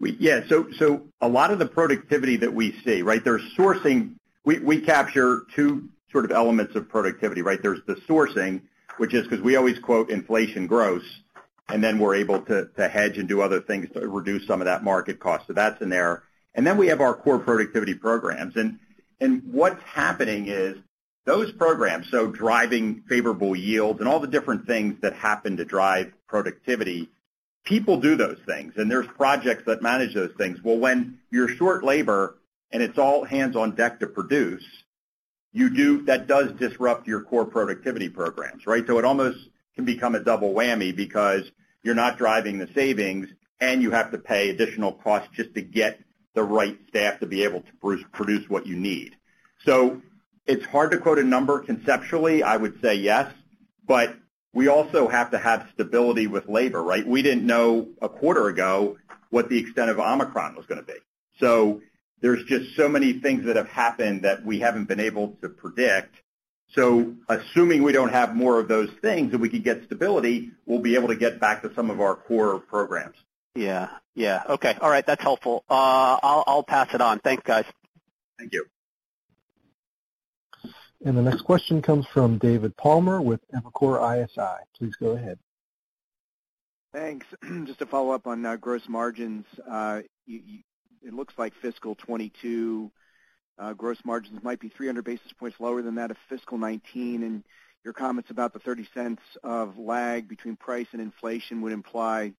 Yeah, so a lot of the productivity that we see, right, there's sourcing. We capture two sort of elements of productivity, right? There's the sourcing, which is 'cause we always quote inflation gross, and then we're able to hedge and do other things to reduce some of that market cost. That's in there. Then we have our core productivity programs. What's happening is those programs, so driving favorable yields and all the different things that happen to drive productivity, people do those things, and there's projects that manage those things. Well, when you're short labor and it's all hands on deck to produce, that does disrupt your core productivity programs, right? It almost can become a double whammy because you're not driving the savings and you have to pay additional costs just to get the right staff to be able to produce what you need. It's hard to quote a number conceptually, I would say yes, but we also have to have stability with labor, right? We didn't know a quarter ago what the extent of Omicron was gonna be. There's just so many things that have happened that we haven't been able to predict. Assuming we don't have more of those things, that we can get stability, we'll be able to get back to some of our core programs. Yeah. Okay. All right. That's helpful. I'll pass it on. Thanks, guys. Thank you. The next question comes from David Palmer with Evercore ISI. Please go ahead. Thanks. Just to follow up on gross margins. It looks like fiscal 2022 gross margins might be 300 basis points lower than that of fiscal 2019, and your comments about the $0.30 of lag between price and inflation would imply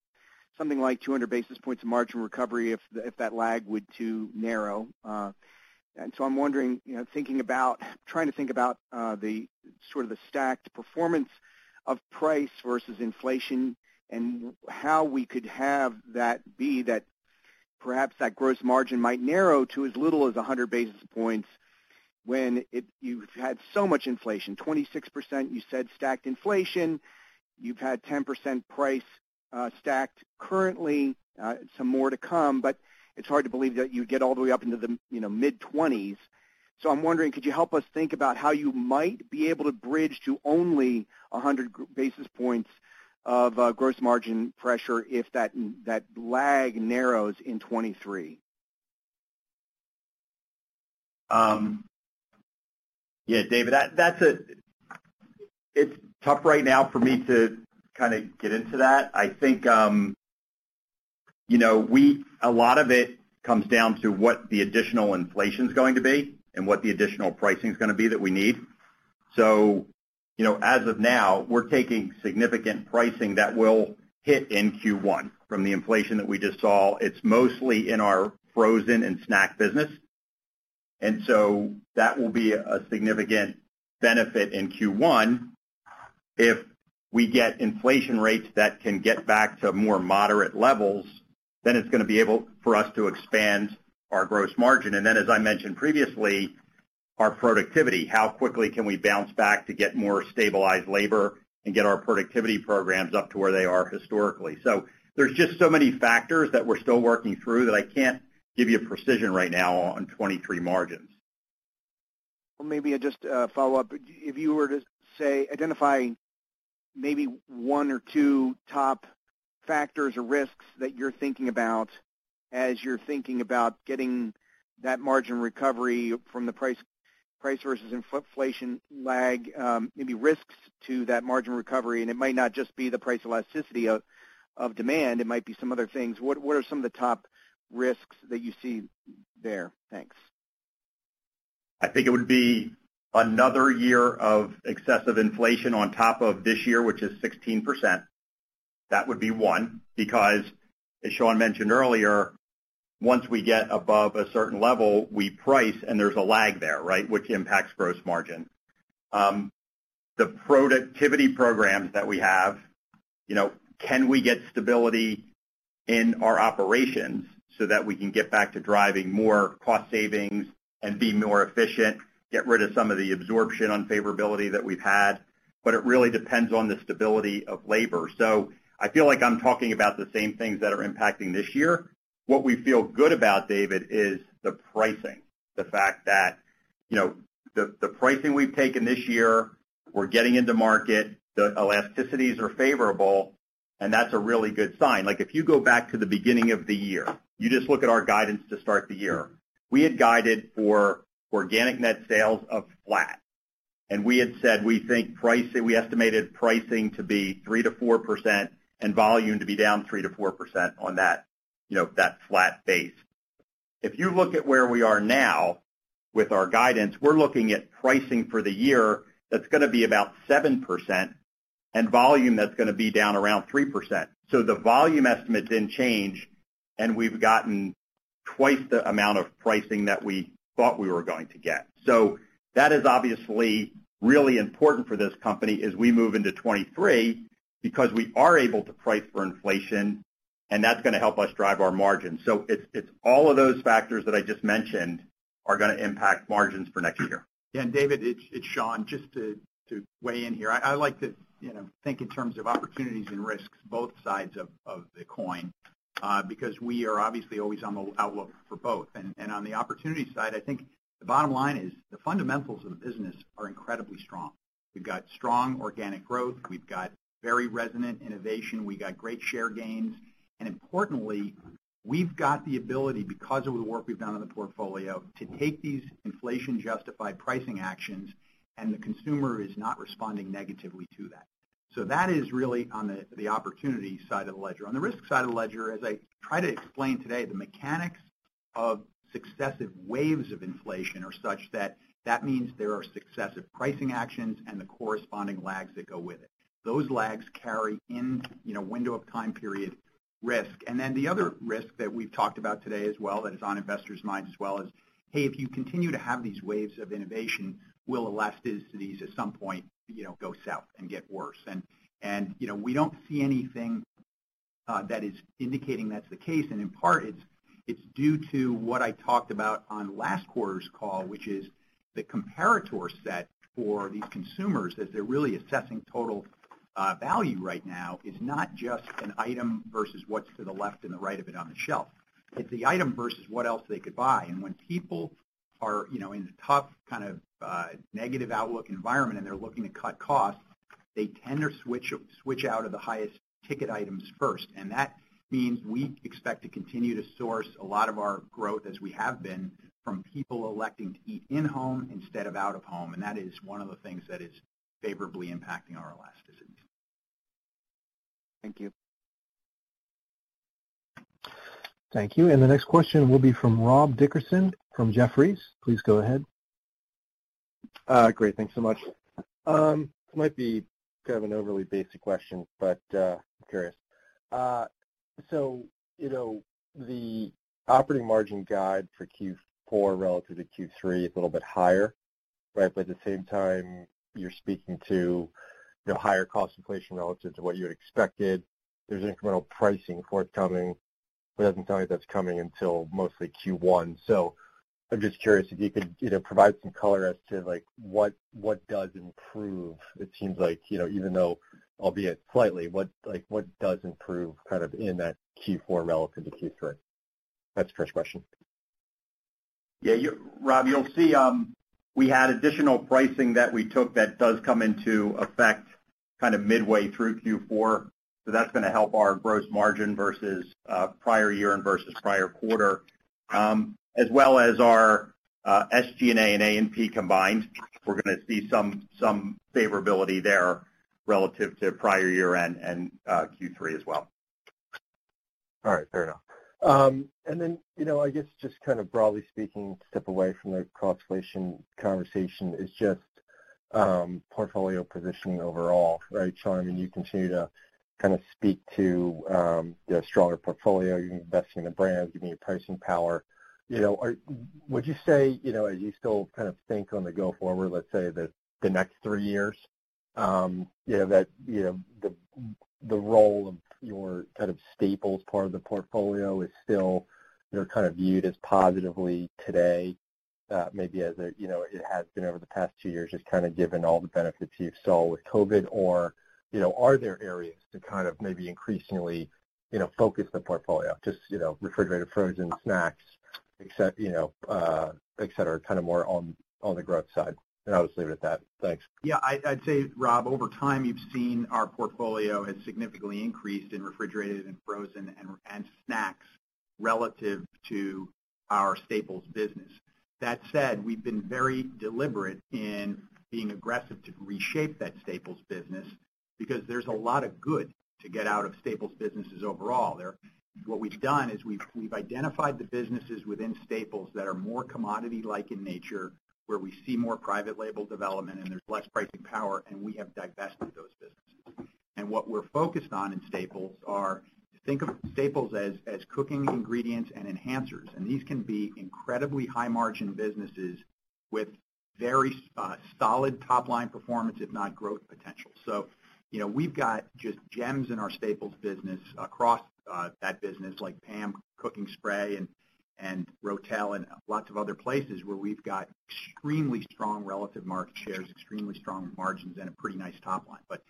something like 200 basis points of margin recovery if that lag were to narrow. And so I'm wondering, you know, thinking about trying to think about the sort of stacked performance of price versus inflation and how we could have that perhaps that gross margin might narrow to as little as 100 basis points when you've had so much inflation. 26%, you said, stacked inflation. You've had 10% price stacked currently, some more to come, but it's hard to believe that you'd get all the way up into the, you know, mid-20s. I'm wondering, could you help us think about how you might be able to bridge to only 100 basis points of gross margin pressure if that lag narrows in 2023? Yeah, David, that's tough right now for me to kinda get into that. I think, you know, a lot of it comes down to what the additional inflation's going to be and what the additional pricing's gonna be that we need. You know, as of now, we're taking significant pricing that will hit in Q1 from the inflation that we just saw. It's mostly in our frozen and snack business. That will be a significant benefit in Q1. If we get inflation rates that can get back to more moderate levels, then it's gonna be able for us to expand our gross margin. As I mentioned previously, our productivity, how quickly can we bounce back to get more stabilized labor and get our productivity programs up to where they are historically? There's just so many factors that we're still working through that I can't give you a precision right now on 2023 margins. Well, maybe just a follow-up. If you were to say, identify maybe one or two top factors or risks that you're thinking about as you're thinking about getting that margin recovery from the price versus inflation lag, maybe risks to that margin recovery, and it might not just be the price elasticity of demand, it might be some other things. What are some of the top risks that you see there? Thanks. I think it would be another year of excessive inflation on top of this year, which is 16%. That would be one, because as Sean mentioned earlier, once we get above a certain level, we price and there's a lag there, right, which impacts gross margin. The productivity programs that we have, you know, can we get stability in our operations so that we can get back to driving more cost savings and be more efficient, get rid of some of the absorption unfavorability that we've had? It really depends on the stability of labor. I feel like I'm talking about the same things that are impacting this year. What we feel good about, David, is the pricing. The fact that, you know, the pricing we've taken this year, we're getting into market, the elasticities are favorable, and that's a really good sign. Like, if you go back to the beginning of the year, you just look at our guidance to start the year. We had guided for organic net sales of flat. We had said we think pricing, we estimated pricing to be 3%-4% and volume to be down 3%-4% on that, you know, that flat base. If you look at where we are now with our guidance, we're looking at pricing for the year that's gonna be about 7% and volume that's gonna be down around 3%. The volume estimates didn't change, and we've gotten twice the amount of pricing that we thought we were going to get. That is obviously really important for this company as we move into 2023 because we are able to price for inflation, and that's gonna help us drive our margin. It's all of those factors that I just mentioned are gonna impact margins for next year. David, it's Sean. Just to weigh in here. I like to, you know, think in terms of opportunities and risks, both sides of the coin, because we are obviously always on the outlook for both. On the opportunity side, I think the bottom line is the fundamentals of the business are incredibly strong. We've got strong organic growth. We've got very resonant innovation. We got great share gains. Importantly, we've got the ability, because of the work we've done on the portfolio, to take these inflation-justified pricing actions, and the consumer is not responding negatively to that. That is really on the opportunity side of the ledger. On the risk side of the ledger, as I try to explain today, the mechanics of successive waves of inflation are such that means there are successive pricing actions and the corresponding lags that go with it. Those lags carry in, you know, window of time period risk. The other risk that we've talked about today as well, that is on investors' minds as well, is, hey, if you continue to have these waves of innovation, will elasticities at some point, you know, go south and get worse? You know, we don't see anything that is indicating that's the case. In part, it's due to what I talked about on last quarter's call, which is the comparator set for these consumers as they're really assessing total value right now is not just an item versus what's to the left and the right of it on the shelf. It's the item versus what else they could buy. When people are, you know, in a tough kind of negative outlook environment and they're looking to cut costs. They tend to switch out of the highest ticket items first. That means we expect to continue to source a lot of our growth as we have been from people electing to eat in-home instead of out-of-home. That is one of the things that is favorably impacting our elasticity. Thank you. Thank you. The next question will be from Rob Dickerson from Jefferies. Please go ahead. Great. Thanks so much. This might be kind of an overly basic question, but, I'm curious. So, you know, the operating margin guide for Q4 relative to Q3 is a little bit higher, right? But at the same time, you're speaking to the higher cost inflation relative to what you had expected. There's incremental pricing forthcoming, but it doesn't tell me that's coming until mostly Q1. So I'm just curious if you could, you know, provide some color as to, like, what does improve? It seems like, you know, even though albeit slightly, like, what does improve kind of in that Q4 relative to Q3? That's the first question. Yeah, Rob, you'll see, we had additional pricing that we took that does come into effect kind of midway through Q4. That's gonna help our gross margin versus prior year and versus prior quarter, as well as our SG&A and A&P combined. We're gonna see some favorability there relative to prior year-end and Q3 as well. All right, fair enough. You know, I guess just kind of broadly speaking, to step away from the cost inflation conversation is just, portfolio positioning overall, right, Sean? I mean, you continue to kinda speak to, you know, stronger portfolio, you're investing in brands, giving you pricing power. You know, would you say, you know, as you still kind of think on the go forward, let's say the next three years, you know, that the role of your kind of staples part of the portfolio is still, you know, kind of viewed as positively today, maybe as a, you know, it has been over the past two years, just kinda given all the benefits you've saw with COVID or, you know, are there areas to kind of maybe increasingly, you know, focus the portfolio just, you know, refrigerated, frozen, snacks, except, you know, et cetera, kind of more on the growth side? I'll just leave it at that. Thanks. Yeah, I'd say, Rob, over time you've seen our portfolio has significantly increased in refrigerated and frozen and snacks relative to our staples business. That said, we've been very deliberate in being aggressive to reshape that staples business because there's a lot of good to get out of staples businesses overall. What we've done is we've identified the businesses within staples that are more commodity-like in nature, where we see more private label development and there's less pricing power, and we have divested those businesses. What we're focused on in staples are to think of staples as cooking ingredients and enhancers. These can be incredibly high margin businesses with very solid top-line performance, if not growth potential. You know, we've got just gems in our staples business across that business like PAM Cooking Spray and Ro-Tel and lots of other places where we've got extremely strong relative market shares, extremely strong margins and a pretty nice top line. But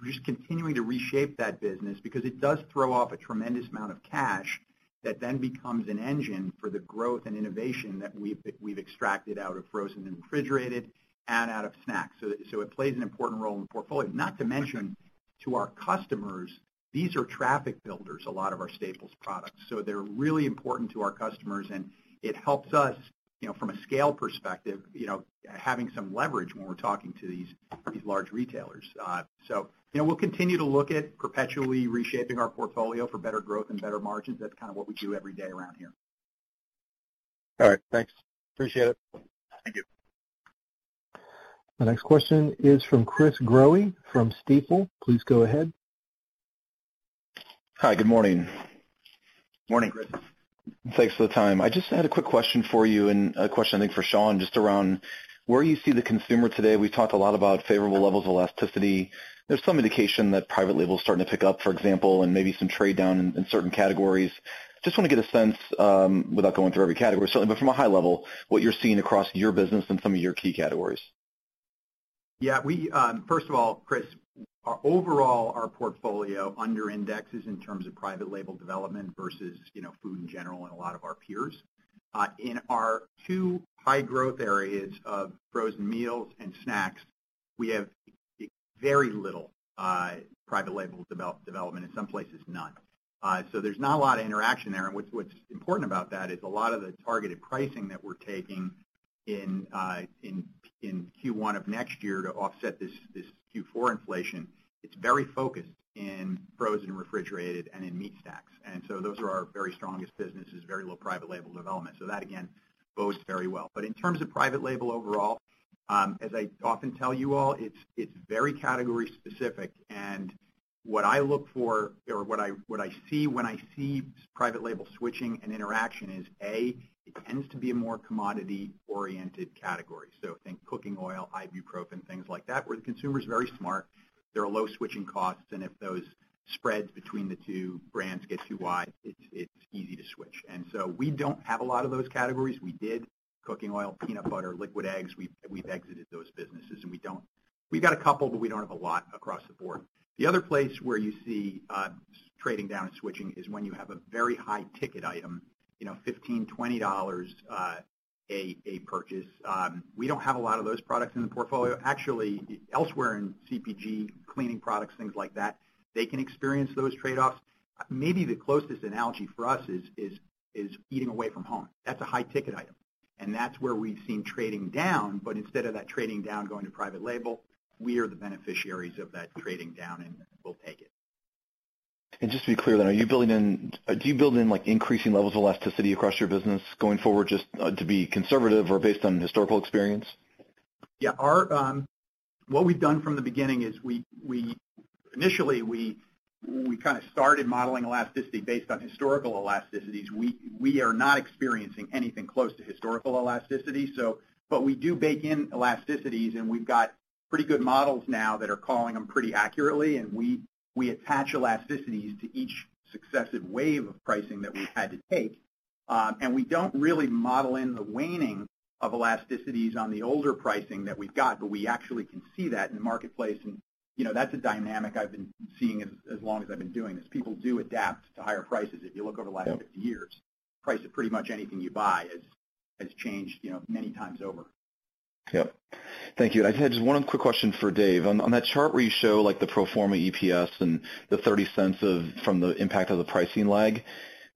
we're just continuing to reshape that business because it does throw off a tremendous amount of cash that then becomes an engine for the growth and innovation that we've extracted out of frozen and refrigerated and out of snacks. It plays an important role in the portfolio. Not to mention to our customers, these are traffic builders, a lot of our staples products. They're really important to our customers and it helps us, you know, from a scale perspective, you know, having some leverage when we're talking to these large retailers. You know, we'll continue to look at perpetually reshaping our portfolio for better growth and better margins. That's kind of what we do every day around here. All right, thanks. Appreciate it. Thank you. The next question is from Chris Growe from Stifel. Please go ahead. Hi, good morning. Morning, Chris. Thanks for the time. I just had a quick question for you and a question I think for Sean, just around where you see the consumer today. We've talked a lot about favorable levels of elasticity. There's some indication that private label is starting to pick up, for example, and maybe some trade down in certain categories. Just wanna get a sense, without going through every category certainly, but from a high level, what you're seeing across your business and some of your key categories. Yeah, we first of all, Chris, our overall portfolio under indexes in terms of private label development versus, you know, food in general and a lot of our peers. In our two high growth areas of frozen meals and snacks, we have very little private label development, in some places none. So there's not a lot of interaction there and what's important about that is a lot of the targeted pricing that we're taking in in Q1 of next year to offset this Q4 inflation, it's very focused in frozen and refrigerated and in meat snacks. Those are our very strongest businesses, very low private label development. That again bodes very well. In terms of private label overall, as I often tell you all, it's very category specific. What I look for or what I see when I see private label switching and interaction is A, it tends to be a more commodity oriented category. So think cooking oil, ibuprofen, things like that, where the consumer is very smart. There are low switching costs and if those spreads between the two brands get too wide, it's easy to switch. We don't have a lot of those categories. We did cooking oil, peanut butter, liquid eggs. We've exited those businesses and we've got a couple, but we don't have a lot across the board. The other place where you see trading down and switching is when you have a very high ticket item, you know, $15-$20 purchase. We don't have a lot of those products in the portfolio. Actually elsewhere in CPG, cleaning products, things like that, they can experience those trade-offs. Maybe the closest analogy for us is eating away from home. That's a high ticket item, and that's where we've seen trading down, but instead of that trading down going to private label, we are the beneficiaries of that trading down, and we'll take it. Just to be clear then, do you build in, like, increasing levels of elasticity across your business going forward just to be conservative or based on historical experience? Yeah. Our what we've done from the beginning is we initially kinda started modeling elasticity based on historical elasticities. We are not experiencing anything close to historical elasticity. We do bake in elasticities, and we've got pretty good models now that are calling them pretty accurately. We attach elasticities to each successive wave of pricing that we've had to take. We don't really model in the waning of elasticities on the older pricing that we've got, but we actually can see that in the marketplace and, you know, that's a dynamic I've been seeing as long as I've been doing this. People do adapt to higher prices if you look over the last 50 years. Price of pretty much anything you buy has changed, you know, many times over. Yep. Thank you. I just had one quick question for Dave. On that chart where you show like the pro forma EPS and the $0.30 from the impact of the pricing lag,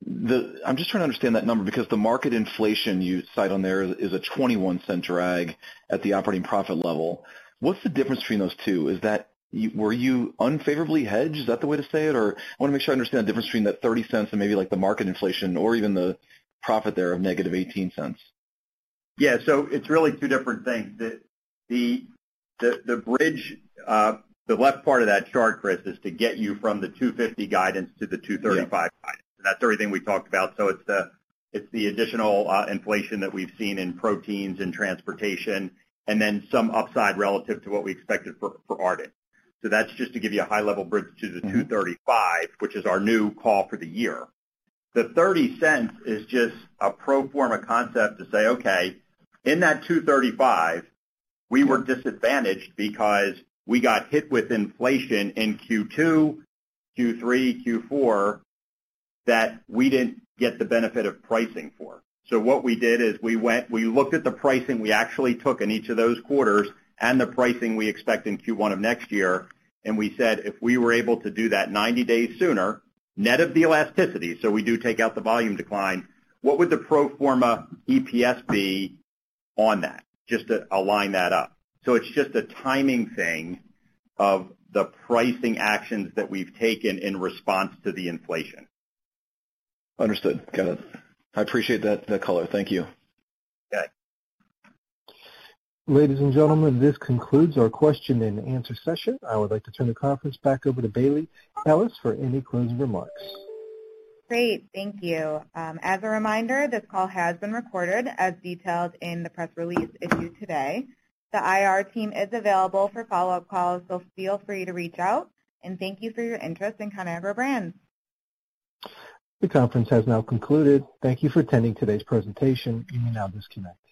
I'm just trying to understand that number because the market inflation you cite on there is a $0.21 drag at the operating profit level. What's the difference between those two? Is that were you unfavorably hedged? Is that the way to say it? Or I wanna make sure I understand the difference between that $0.30 and maybe like the market inflation or even the profit there of -$0.18. Yeah. It's really two different things. The bridge, the left part of that chart, Chris, is to get you from the 250 guidance to the 235 guidance. That's everything we talked about. It's the additional inflation that we've seen in proteins and transportation, and then some upside relative to what we expected for Ardent. That's just to give you a high level bridge to the 235 guidance, which is our new call for the year. The $0.30 is just a pro forma concept to say, okay, in that 235 guidance, we were disadvantaged because we got hit with inflation in Q2, Q3, Q4, that we didn't get the benefit of pricing for. What we did is we went, we looked at the pricing we actually took in each of those quarters and the pricing we expect in Q1 of next year, and we said, "If we were able to do that 90 days sooner, net of the elasticity," so we do take out the volume decline, "What would the pro forma EPS be on that?" Just to align that up. It's just a timing thing of the pricing actions that we've taken in response to the inflation. Understood. Got it. I appreciate that, the color. Thank you. Yeah. Ladies and gentlemen, this concludes our question and answer session. I would like to turn the conference back over to Bayle Ellis for any closing remarks. Great. Thank you. As a reminder, this call has been recorded as detailed in the press release issued today. The IR team is available for follow-up calls, so feel free to reach out. Thank you for your interest in Conagra Brands. The conference has now concluded. Thank you for attending today's presentation. You may now disconnect.